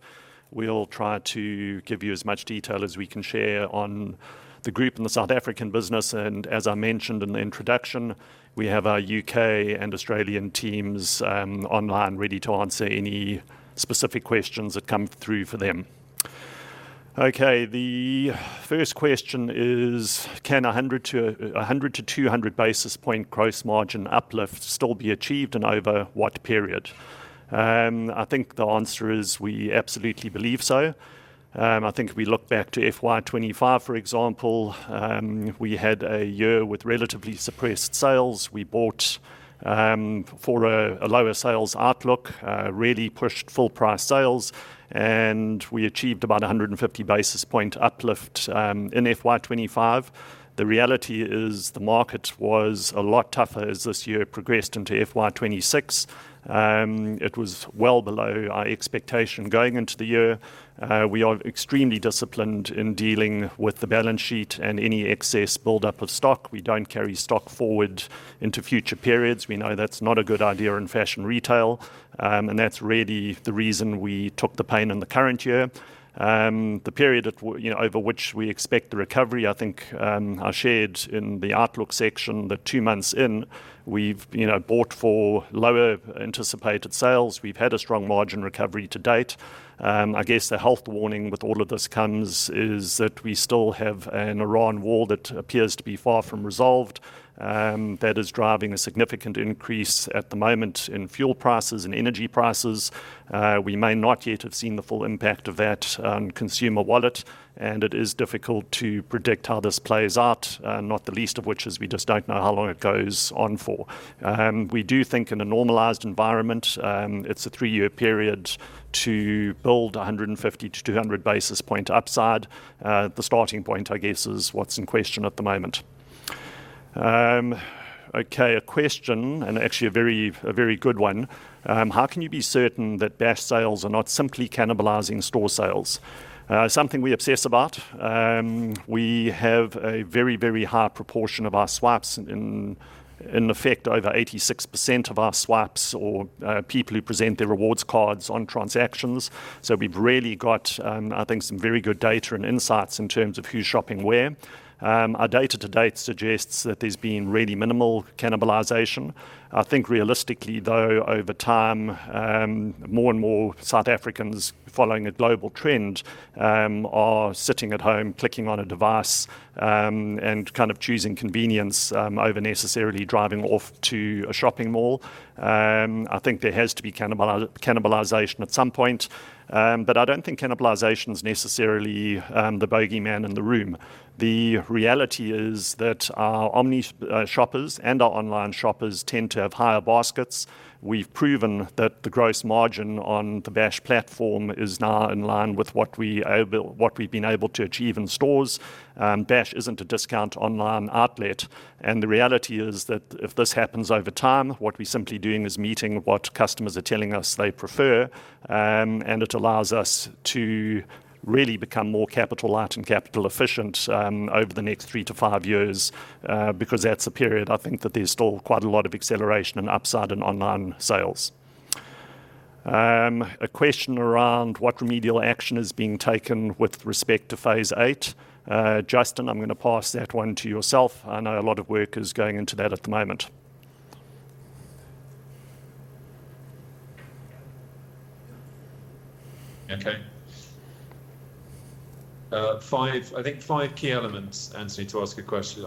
we'll try to give you as much detail as we can share on the group and the South African business. As I mentioned in the introduction, we have our U.K. and Australian teams online ready to answer any specific questions that come through for them. Okay, the first question is, "Can 100-200 basis point gross margin uplift still be achieved and over what period?" I think the answer is we absolutely believe so. I think if we look back to FY 2025, for example, we had a year with relatively suppressed sales. We bought for a lower sales outlook, really pushed full-price sales, and we achieved about 150 basis point uplift in FY 2025. The reality is the market was a lot tougher as this year progressed into FY 2026. It was well below our expectation going into the year. We are extremely disciplined in dealing with the balance sheet and any excess buildup of stock. We don't carry stock forward into future periods. We know that's not a good idea in fashion retail, and that's really the reason we took the pain in the current year. The period over which we expect the recovery, I think I shared in the outlook section that two months in, we've bought for lower anticipated sales. We've had a strong margin recovery to-date. I guess the health warning with all of this is that we still have an Iran war that appears to be far from resolved, that is driving a significant increase at the moment in fuel prices and energy prices. We may not yet have seen the full impact of that on consumer wallet, and it is difficult to predict how this plays out, not the least of which is we just don't know how long it goes on for. We do think in a normalized environment, it's a three-year period to build 150-200 basis point upside. The starting point, I guess, is what's in question at the moment. Okay, a question, and actually a very good one. "How can you be certain that Bash sales are not simply cannibalizing store sales?" Something we obsess about. We have a very, very high proportion of our swaps. In effect, over 86% of our swaps or people who present their rewards cards on transactions. We've really got, I think, some very good data and insights in terms of who's shopping where. Our data to-date suggests that there's been really minimal cannibalization. I think realistically, though, over time, more and more South Africans following a global trend are sitting at home, clicking on a device, and kind of choosing convenience over necessarily driving off to a shopping mall. I think there has to be cannibalization at some point. I don't think cannibalization is necessarily the bogeyman in the room. The reality is that our omni shoppers and our online shoppers tend to have higher baskets. We've proven that the gross margin on the Bash platform is now in line with what we've been able to achieve in stores. Bash isn't a discount online outlet, and the reality is that if this happens over time, what we're simply doing is meeting what customers are telling us they prefer, and it allows us to really become more capital light and capital efficient over the next three to five years, because that's a period, I think that there's still quite a lot of acceleration and upside in online sales. A question around what remedial action is being taken with respect to Phase Eight. Justin, I'm going to pass that one to yourself. I know a lot of work is going into that at the moment. Okay. I think five key elements, Anthony, to answer the question.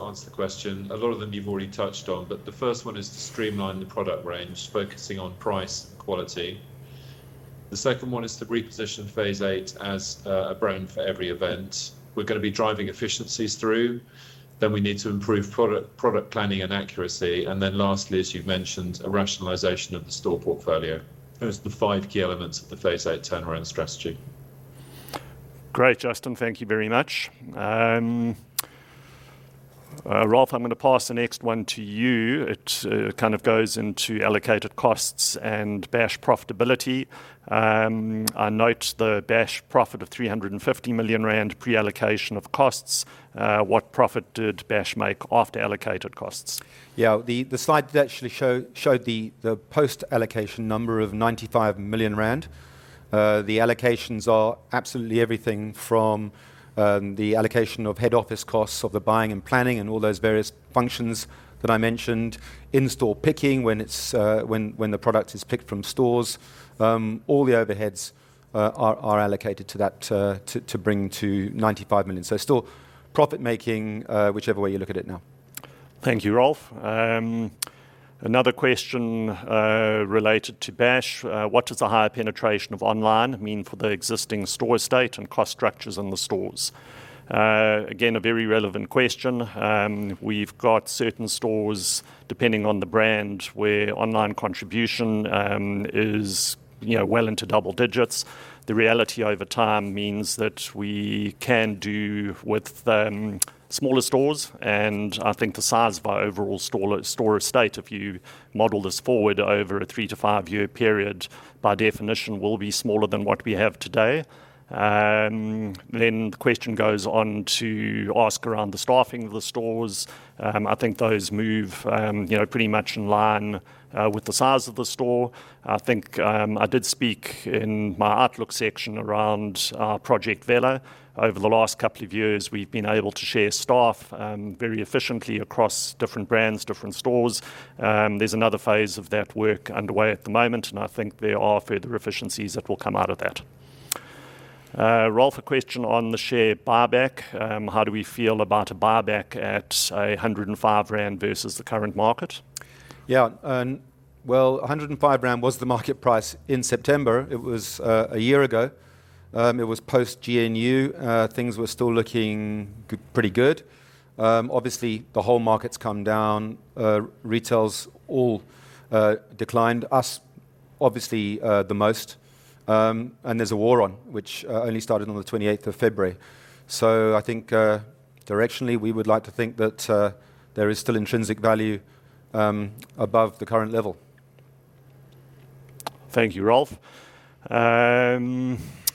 A lot of them you've already touched on, the first one is to streamline the product range, focusing on price and quality. The second one is to reposition Phase Eight as a brand for every event. We're going to be driving efficiencies through. We need to improve product planning and accuracy. Lastly, as you've mentioned, a rationalization of the store portfolio. Those are the five key elements of the Phase Eight turnaround strategy. Great, Justin. Thank you very much. Ralph, I'm going to pass the next one to you. It kind of goes into allocated costs and Bash profitability. I note the Bash profit of 350 million rand pre-allocation of costs. What profit did Bash make after allocated costs? Yeah, the slide that actually showed the post allocation number of 95 million rand. The allocations are absolutely everything from the allocation of head office costs of the buying and planning and all those various functions that I mentioned, in-store picking when the product is picked from stores. All the overheads are allocated to that to bring to 95 million. Still profit making, whichever way you look at it now. Thank you, Ralph. Another question related to Bash. What does the higher penetration of online mean for the existing store estate and cost structures in the stores? Again, a very relevant question. We've got certain stores, depending on the brand, where online contribution is well into double-digits. The reality over time means that we can do with smaller stores, and I think the size of our overall store estate, if you model this forward over a three-to-five-year period, by definition will be smaller than what we have today. The question goes on to ask around the staffing of the stores. I think those move pretty much in line with the size of the store. I think I did speak in my outlook section around Project Vela. Over the last couple of years, we've been able to share staff very efficiently across different brands, different stores. There's another phase of that work underway at the moment, and I think there are further efficiencies that will come out of that. Ralph, a question on the share buyback. How do we feel about a buyback at 105 rand versus the current market? Well, 105 rand was the market price in September. It was a year ago. It was post-GNU. Things were still looking pretty good. Obviously, the whole market's come down. Retail all declined, us obviously the most, and there's a war on, which only started on the 28th of February. I think directionally, we would like to think that there is still intrinsic value above the current level. Thank you, Ralph.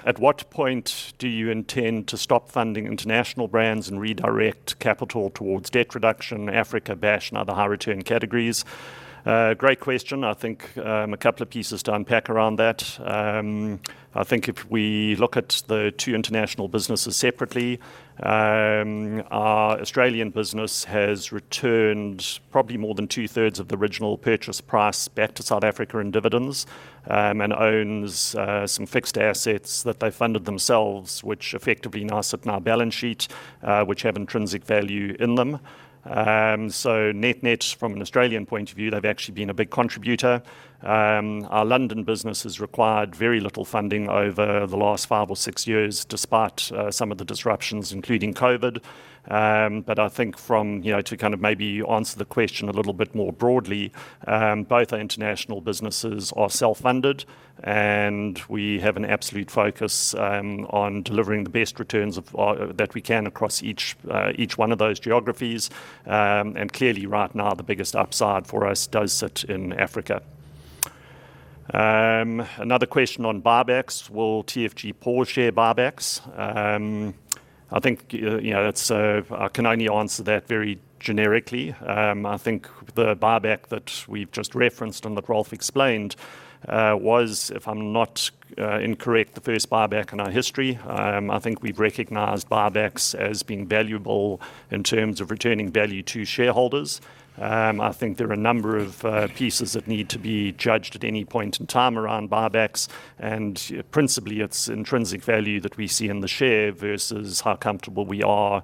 At what point do you intend to stop funding international brands and redirect capital towards debt reduction, Africa, Bash, and other high-return categories? Great question. I think a couple of pieces to unpack around that. I think if we look at the two international businesses separately, our Australian business has returned probably more than two-thirds of the original purchase price back to South Africa in dividends, and owns some fixed assets that they funded themselves, which effectively now sit on our balance sheet, which have intrinsic value in them. Net-net from an Australian point of view, they've actually been a big contributor. Our London business has required very little funding over the last five or six years, despite some of the disruptions, including COVID. I think to kind of maybe answer the question a little bit more broadly, both our international businesses are self-funded, and we have an absolute focus on delivering the best returns that we can across each one of those geographies. Clearly right now, the biggest upside for us does sit in Africa. Another question on buybacks. Will TFG pause share buybacks? I think I can only answer that very generically. I think the buyback that we've just referenced and that Ralph explained was, if I'm not incorrect, the first buyback in our history. I think we've recognized buybacks as being valuable in terms of returning value to shareholders. I think there are a number of pieces that need to be judged at any point in time around buybacks, and principally, it's intrinsic value that we see in the share versus how comfortable we are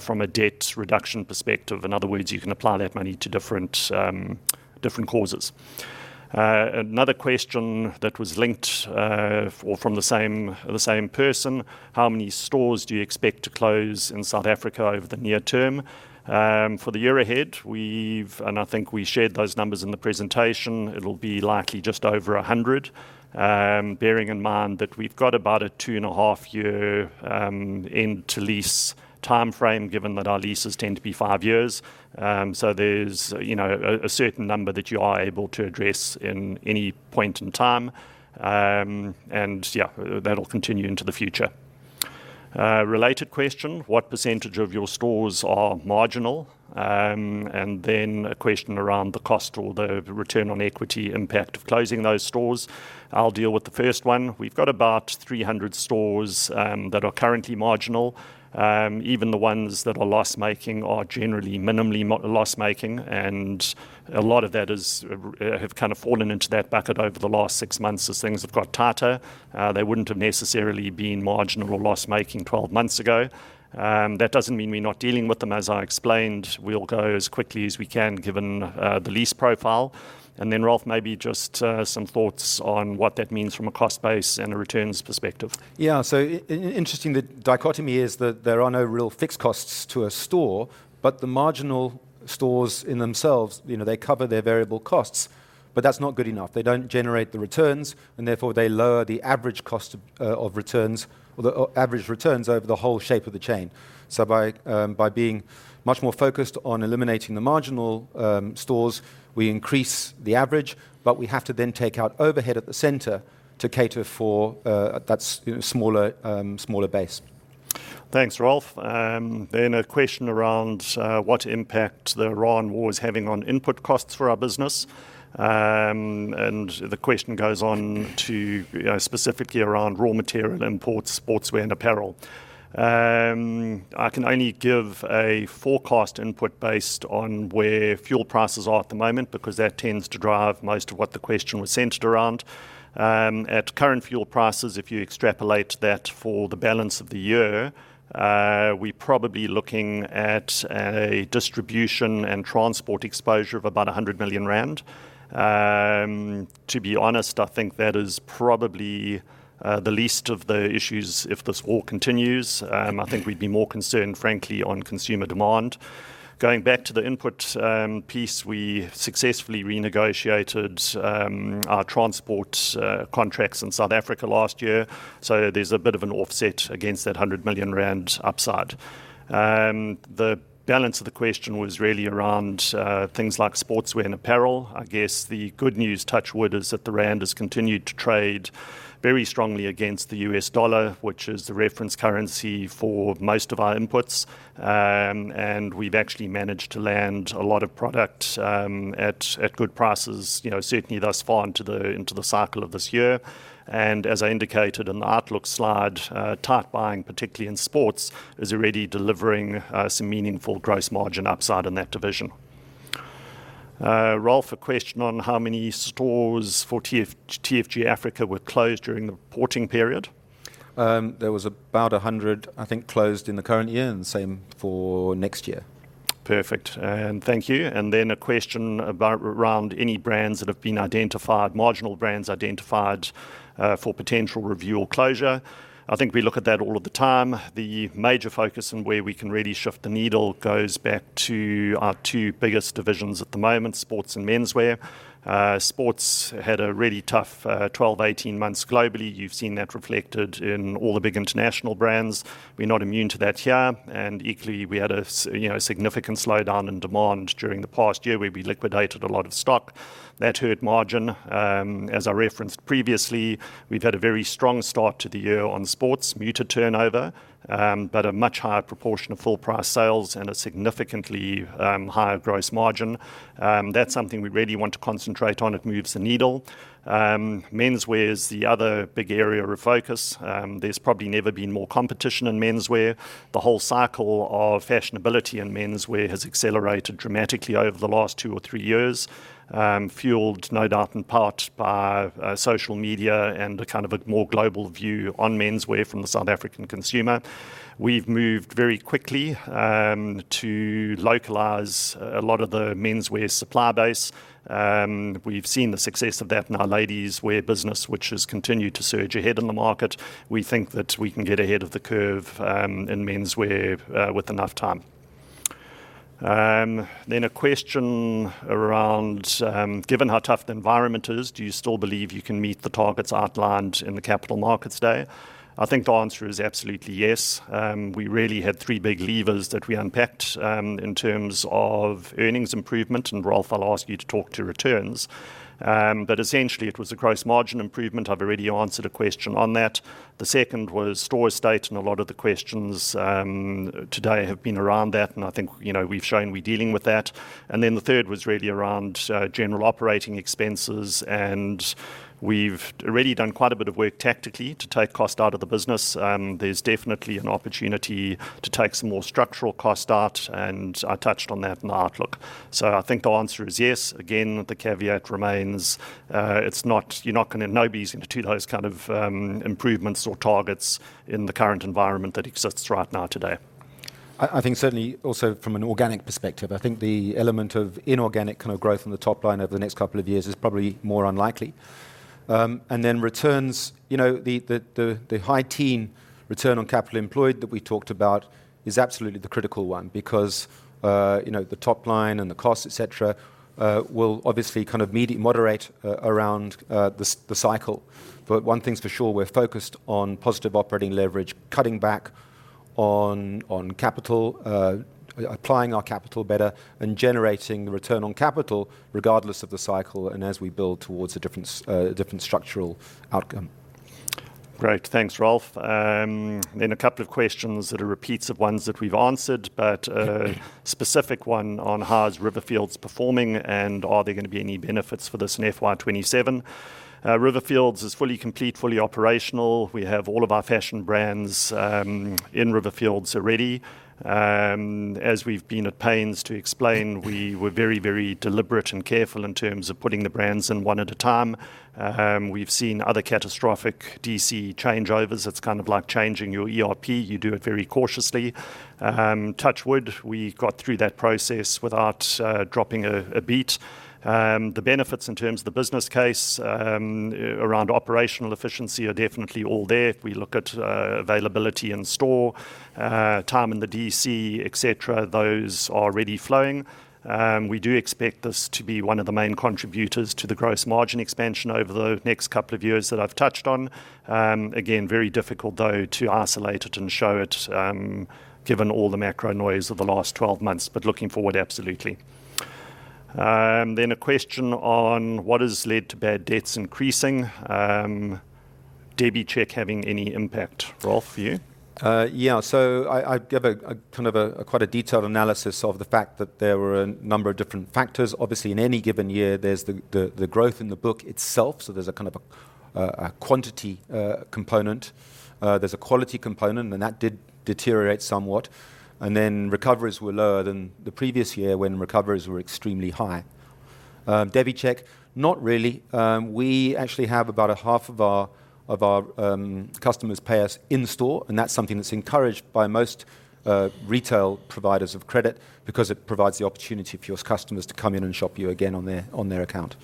from a debt reduction perspective. In other words, you can apply that money to different causes. Another question that was linked or from the same person: How many stores do you expect to close in South Africa over the near term? For the year ahead, I think we shared those numbers in the presentation, it'll be likely just over 100, bearing in mind that we've got about a two-and-a-half year end-to-lease timeframe, given that our leases tend to be five years. There's a certain number that you are able to address in any point in time. Yeah, that'll continue into the future. A related question, what percentage of your stores are marginal? A question around the cost or the return on equity impact of closing those stores. I'll deal with the first one. We've got about 300 stores that are currently marginal. Even the ones that are loss-making are generally minimally loss-making, and a lot of that have fallen into that bucket over the last six months as things have got tighter. They wouldn't have necessarily been marginal or loss-making 12 months ago. That doesn't mean we're not dealing with them, as I explained, we'll go as quickly as we can given the lease profile. Ralph, maybe just some thoughts on what that means from a cost base and a returns perspective. Yeah. Interesting, the dichotomy is that there are no real fixed costs to a store, but the marginal stores in themselves, they cover their variable costs. That's not good enough. They don't generate the returns, and therefore, they lower the average cost of returns or the average returns over the whole shape of the chain. By being much more focused on eliminating the marginal stores, we increase the average, but we have to then take out overhead at the center to cater for that smaller base. Thanks, Ralph. A question around what impact the Iran war is having on input costs for our business. The question goes on to specifically around raw material imports, sportswear, and apparel. I can only give a forecast input based on where fuel prices are at the moment, because that tends to drive most of what the question was centered around. At current fuel prices, if you extrapolate that for the balance of the year, we're probably looking at a distribution and transport exposure of about 100 million rand. To be honest, I think that is probably the least of the issues if this war continues. I think we'd be more concerned, frankly, on consumer demand. Going back to the input piece, we successfully renegotiated our transport contracts in South Africa last year. There's a bit of an offset against that 100 million rand upside. The balance of the question was really around things like sportswear and apparel. I guess the good news, touch wood, is that the rand has continued to trade very strongly against the US dollar, which is the reference currency for most of our inputs. We've actually managed to land a lot of product at good prices, certainly thus far into the cycle of this year. As I indicated in the outlook slide, tight buying, particularly in sports, is already delivering some meaningful gross margin upside in that division. Ralph, a question on how many stores for TFG Africa were closed during the reporting period. There was about 100, I think, closed in the current year, and the same for next year. Perfect, thank you. A question around any brands that have been identified, marginal brands identified for potential review or closure. I think we look at that all of the time. The major focus on where we can really shift the needle goes back to our two biggest divisions at the moment, sports and menswear. Sports had a really tough 12 to 18 months globally. You've seen that reflected in all the big international brands. We're not immune to that here. Equally, we had a significant slowdown in demand during the past year, where we liquidated a lot of stock. That hurt margin. As I referenced previously, we've had a very strong start to the year on sports, muted turnover, but a much higher proportion of full price sales and a significantly higher gross margin. That's something we really want to concentrate on. It moves the needle. Menswear is the other big area of focus. There's probably never been more competition in menswear. The whole cycle of fashionability in menswear has accelerated dramatically over the last two or three years, fueled no doubt in part by social media and a more global view on menswear from the South African consumer. We've moved very quickly to localize a lot of the menswear supply base. We've seen the success of that in our ladieswear business, which has continued to surge ahead in the market. We think that we can get ahead of the curve in menswear with enough time. A question around, given how tough the environment is, do you still believe you can meet the targets outlined in the Capital Markets Day? I think the answer is absolutely yes. We really had three big levers that we unpacked in terms of earnings improvement. Ralph, I'll ask you to talk to returns. Essentially, it was a gross margin improvement. I've already answered a question on that. The second was store estate, and a lot of the questions today have been around that, and I think we've shown we're dealing with that. The third was really around general operating expenses, and we've already done quite a bit of work tactically to take cost out of the business. There's definitely an opportunity to take some more structural cost out, and I touched on that in the outlook. I think the answer is yes. Again, the caveat remains, you're not going to into those kind of improvements or targets in the current environment that exists right now today. I think certainly also from an organic perspective, I think the element of inorganic growth on the top line over the next couple of years is probably more unlikely. Then returns, the high teen return on capital employed that we talked about is absolutely the critical one, because the top line and the cost, et cetera, will obviously moderate around the cycle. One thing's for sure, we're focused on positive operating leverage, cutting back on capital, applying our capital better, and generating the return on capital regardless of the cycle, and as we build towards a different structural outcome. Great. Thanks, Ralph. A couple of questions that are repeats of ones that we've answered, but a specific one on how is Riverfields performing and are there going to be any benefits for this in FY 2027? Riverfields is fully complete, fully operational. We have all of our fashion brands in Riverfields already. As we've been at pains to explain, we were very deliberate and careful in terms of putting the brands in one at a time. We've seen other catastrophic DC changeovers. It's kind of like changing your ERP. You do it very cautiously. Touch wood, we got through that process without dropping a beat. The benefits in terms of the business case around operational efficiency are definitely all there. If we look at availability in store, time in the DC, et cetera, those are already flowing. We do expect this to be one of the main contributors to the gross margin expansion over the next couple of years that I've touched on. Again, very difficult though to isolate it and show it, given all the macro noise of the last 12 months, but looking forward, absolutely. A question on what has led to bad debts increasing. DebiCheck having any impact? Ralph, for you. I gave quite a detailed analysis of the fact that there were a number of different factors. In any given year, there's the growth in the book itself, there's a kind of a quantity component. There's a quality component, that did deteriorate somewhat. Recoveries were lower than the previous year when recoveries were extremely high. DebiCheck, not really. We actually have about a half of our customers pay us in store, that's something that's encouraged by most retail providers of credit because it provides the opportunity for your customers to come in and shop you again on their account.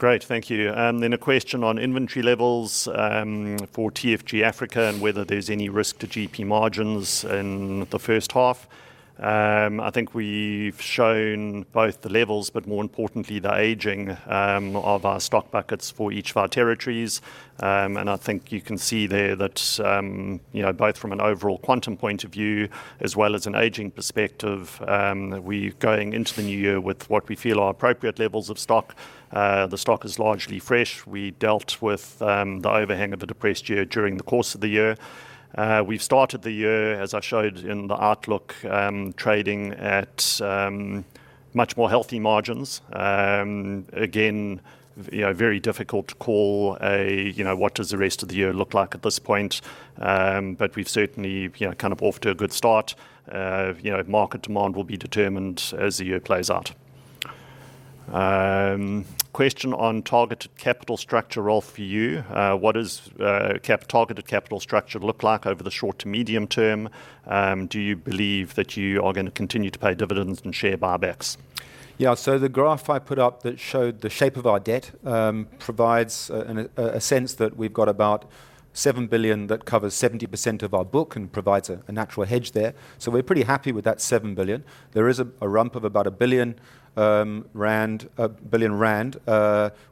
Great. Thank you. A question on inventory levels for TFG Africa and whether there's any risk to GP margins in the first half. I think we've shown both the levels, but more importantly, the aging of our stock buckets for each of our territories. I think you can see there that both from an overall quantum point of view as well as an aging perspective, we're going into the new year with what we feel are appropriate levels of stock. The stock is largely fresh. We dealt with the overhang of the depressed year during the course of the year. We've started the year, as I showed in the outlook, trading at much more healthy margins. Again, very difficult to call what does the rest of the year look like at this point. We're certainly off to a good start. Market demand will be determined as the year plays out. Question on targeted capital structure, Ralph, for you. What does targeted capital structure look like over the short to medium term? Do you believe that you are going to continue to pay dividends and share buybacks? The graph I put up that showed the shape of our debt provides a sense that we've got about 7 billion that covers 70% of our book and provides a natural hedge there. We're pretty happy with that 7 billion. There is a rump of about 1 billion rand,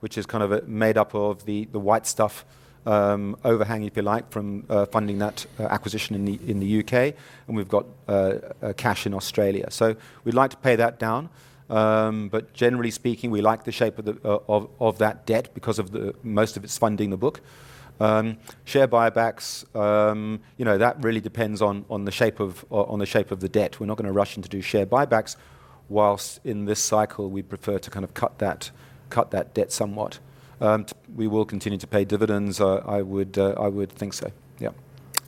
which is kind of made up of the White Stuff overhang, if you like, from funding that acquisition in the U.K. We've got cash in Australia. We'd like to pay that down. Generally speaking, we like the shape of that debt because most of it's funding the book. Share buybacks, that really depends on the shape of the debt. We're not going to rush in to do share buybacks, whilst in this cycle we'd prefer to kind of cut that debt somewhat. We will continue to pay dividends, I would think so.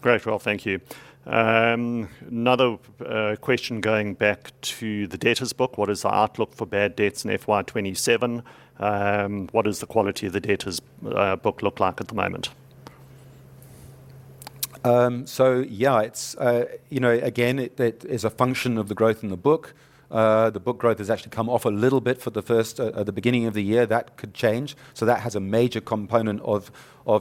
Great, Ralph. Thank you. Another question going back to the debtors' book. What is the outlook for bad debts in FY 2027? What does the quality of the debtors' book look like at the moment? Yeah. Again, that is a function of the growth in the book. The book growth has actually come off a little bit for the beginning of the year. That could change. That has a major component of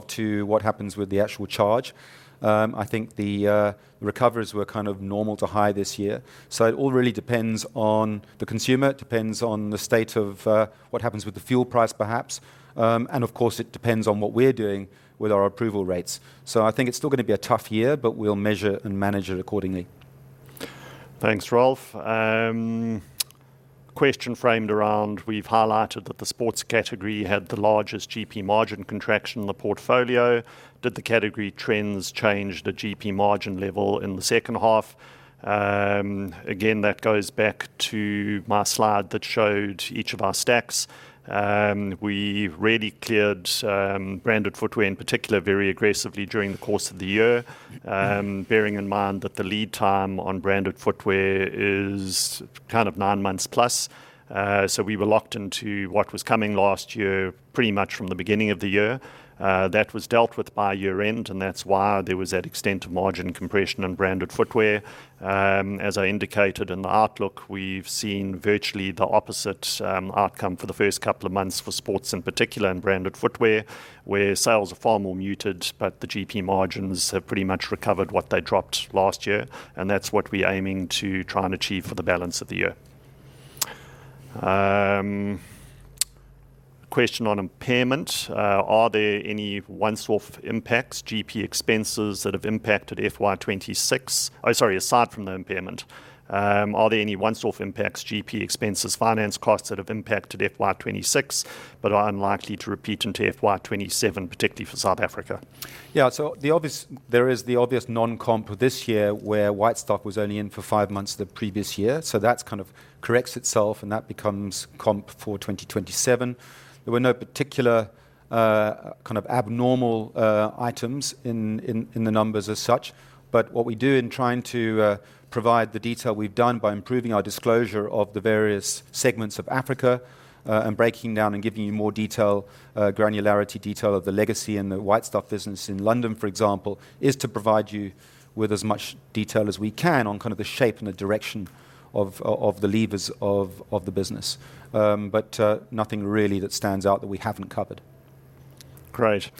to what happens with the actual charge. I think the recoveries were kind of normal to high this year. It all really depends on the consumer, it depends on the state of what happens with the fuel price, perhaps. Of course, it depends on what we're doing with our approval rates. I think it's still going to be a tough year, but we'll measure and manage it accordingly. Thanks, Ralph. Question framed around, we've highlighted that the sports category had the largest GP margin contraction in the portfolio. Did the category trends change the GP margin level in the second half? Again, that goes back to my slide that showed each of our stacks. We really cleared branded footwear, in particular, very aggressively during the course of the year. Bearing in mind that the lead time on branded footwear is kind of nine months plus. We were locked into what was coming last year pretty much from the beginning of the year. That was dealt with by year-end, and that's why there was that extent of margin compression on branded footwear. As I indicated in the outlook, we've seen virtually the opposite outcome for the first couple of months for sports, in particular, and branded footwear, where sales are far more muted, but the GP margins have pretty much recovered what they dropped last year, and that's what we're aiming to try and achieve for the balance of the year. A question on impairment. Are there any once-off impacts, GP expenses, that have impacted FY 2026? Oh, sorry, aside from the impairment, are there any once-off impacts, GP expenses, finance costs that have impacted FY 2026 but are unlikely to repeat into FY 2027, particularly for South Africa? There is the obvious non-comp for this year, where White Stuff was only in for five months the previous year. That kind of corrects itself, and that becomes comp for 2027. There were no particular abnormal items in the numbers as such. What we do in trying to provide the detail we've done by improving our disclosure of the various segments of Africa, and breaking down and giving you more detail, granularity detail of the legacy and the White Stuff business in London, for example, is to provide you with as much detail as we can on the shape and the direction of the levers of the business. Nothing really that stands out that we haven't covered. Great.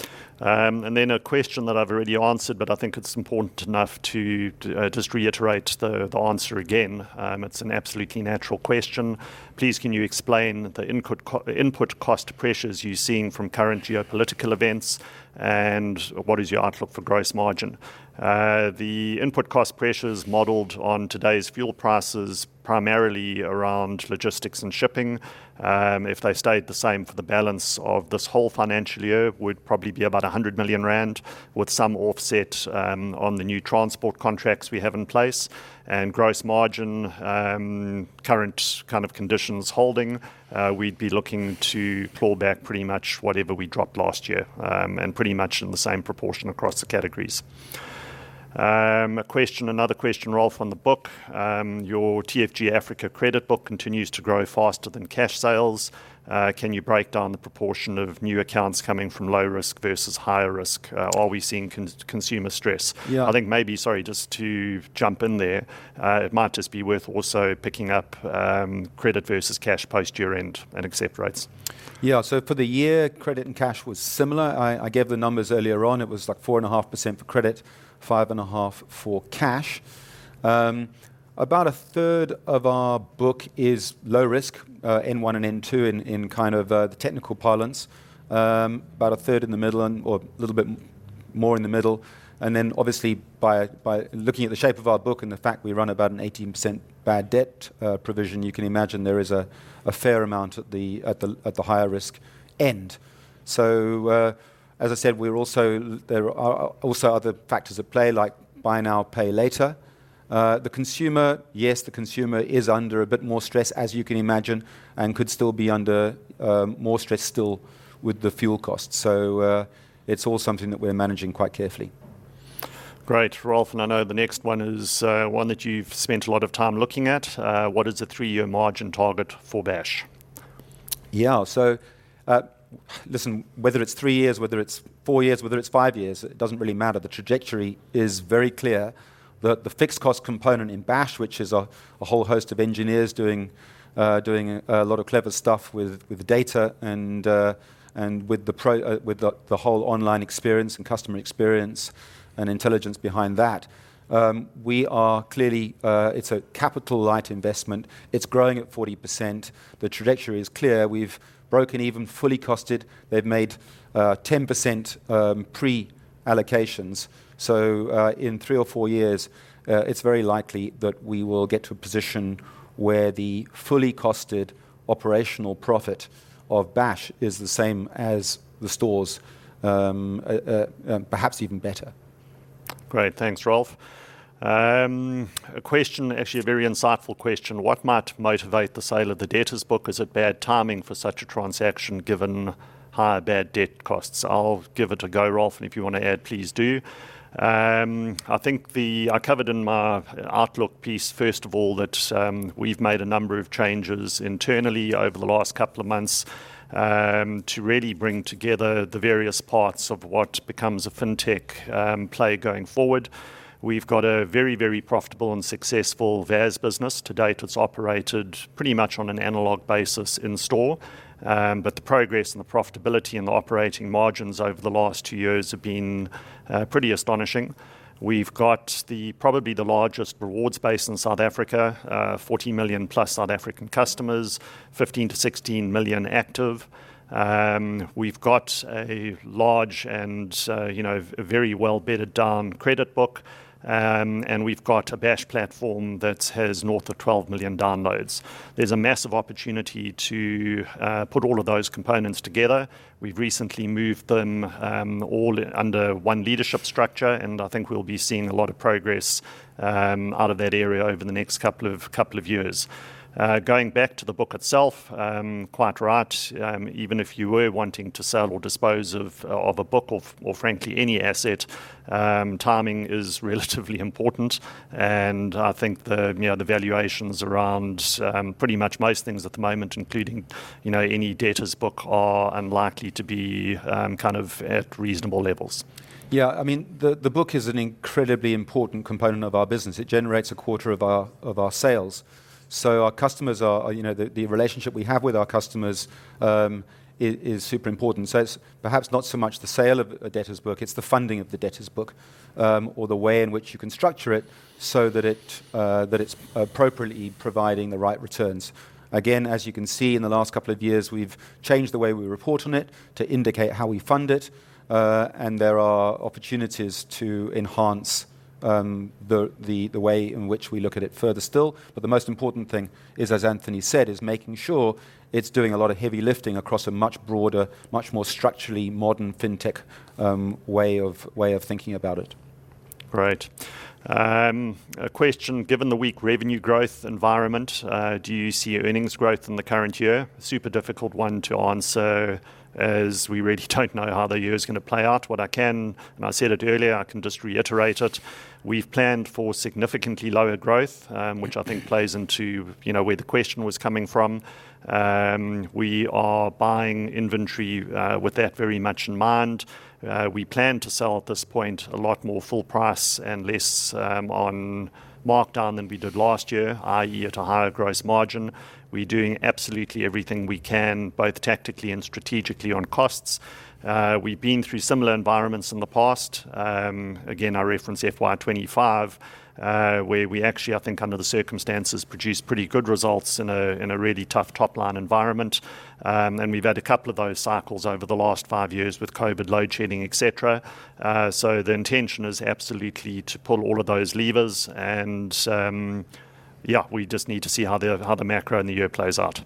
A question that I've already answered, but I think it's important enough to just reiterate the answer again. It's an absolutely natural question. Please can you explain the input cost pressures you're seeing from current geopolitical events, and what is your outlook for gross margin? The input cost pressures modeled on today's fuel prices, primarily around logistics and shipping. If they stayed the same for the balance of this whole financial year, would probably be about 100 million rand, with some offset on the new transport contracts we have in place. Gross margin, current kind of conditions holding, we'd be looking to claw back pretty much whatever we dropped last year, and pretty much in the same proportion across the categories. Another question, Ralph, on the book. Your TFG Africa credit book continues to grow faster than cash sales. Can you break down the proportion of new accounts coming from low risk versus higher risk? Are we seeing consumer stress? Yeah. I think maybe, sorry, just to jump in there, it might just be worth also picking up credit versus cash post year-end and accept rates. Yeah. For the year, credit and cash was similar. I gave the numbers earlier on. It was like 4.5% for credit, 5.5% for cash. About a third of our book is low risk, N1 and N2 in the technical parlance. About a third in the middle or a little bit more in the middle. Obviously by looking at the shape of our book and the fact we run about an 18% bad debt provision, you can imagine there is a fair amount at the higher risk end. As I said, there are also other factors at play, like Buy Now, Pay Later. The consumer, yes, the consumer is under a bit more stress, as you can imagine, and could still be under more stress still with the fuel costs. It's all something that we're managing quite carefully. Great, Ralph. I know the next one is one that you've spent a lot of time looking at. What is the three-year margin target for Bash? Listen, whether it's three years, whether it's four years, whether it's five years, it doesn't really matter. The trajectory is very clear that the fixed cost component in Bash, which is a whole host of engineers doing a lot of clever stuff with data and with the whole online experience and customer experience and intelligence behind that. It's a capital light investment. It's growing at 40%. The trajectory is clear. We've broken even, fully costed. They've made 10% pre-allocations. In three or four years, it's very likely that we will get to a position where the fully costed operational profit of Bash is the same as the stores, perhaps even better. Great. Thanks, Ralph. A question, actually a very insightful question. What might motivate the sale of the debtors book? Is it bad timing for such a transaction given high bad debt costs? I'll give it a go, Ralph, and if you want to add, please do. I think I covered in my outlook piece, first of all, that we've made a number of changes internally over the last couple of months to really bring together the various parts of what becomes a fintech play going forward. We've got a very, very profitable and successful VAS business. To-date, it's operated pretty much on an analog basis in store. The progress and the profitability and the operating margins over the last two years have been pretty astonishing. We've got probably the largest rewards base in South Africa. 40 million+ South African customers, 15 million-16 million active. We've got a large and very well bedded down credit book. We've got a Bash platform that has north of 12 million downloads. There's a massive opportunity to put all of those components together. We've recently moved them all under one leadership structure, and I think we'll be seeing a lot of progress out of that area over the next couple of years. Going back to the book itself, quite right. Even if you were wanting to sell or dispose of a book or frankly any asset, timing is relatively important. I think the valuations around pretty much most things at the moment, including any debtors book, are unlikely to be at reasonable levels. The book is an incredibly important component of our business. It generates a quarter of our sales. The relationship we have with our customers is super important. It's perhaps not so much the sale of a debtors book, it's the funding of the debtors book, or the way in which you can structure it so that it's appropriately providing the right returns. Again, as you can see, in the last couple of years, we've changed the way we report on it to indicate how we fund it. There are opportunities to enhance the way in which we look at it further still. The most important thing is, as Anthony said, is making sure it's doing a lot of heavy lifting across a much broader, much more structurally modern fintech way of thinking about it. Right. A question. Given the weak revenue growth environment, do you see earnings growth in the current year? Super difficult one to answer, as we really don't know how the year is going to play out. What I can, and I said it earlier, I can just reiterate it, we've planned for significantly lower growth, which I think plays into where the question was coming from. We are buying inventory with that very much in mind. We plan to sell, at this point, a lot more full price and less on markdown than we did last year, i.e., at a higher gross margin. We're doing absolutely everything we can, both tactically and strategically, on costs. We've been through similar environments in the past. Again, I reference FY 2025, where we actually, I think under the circumstances, produced pretty good results in a really tough top line environment. We've had a couple of those cycles over the last five years with COVID load shedding, et cetera. The intention is absolutely to pull all of those levers, and yeah, we just need to see how the macro and the year plays out.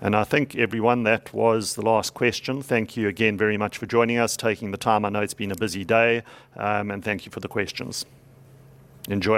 I think everyone, that was the last question. Thank you again very much for joining us, taking the time. I know it's been a busy day. Thank you for the questions. Enjoy.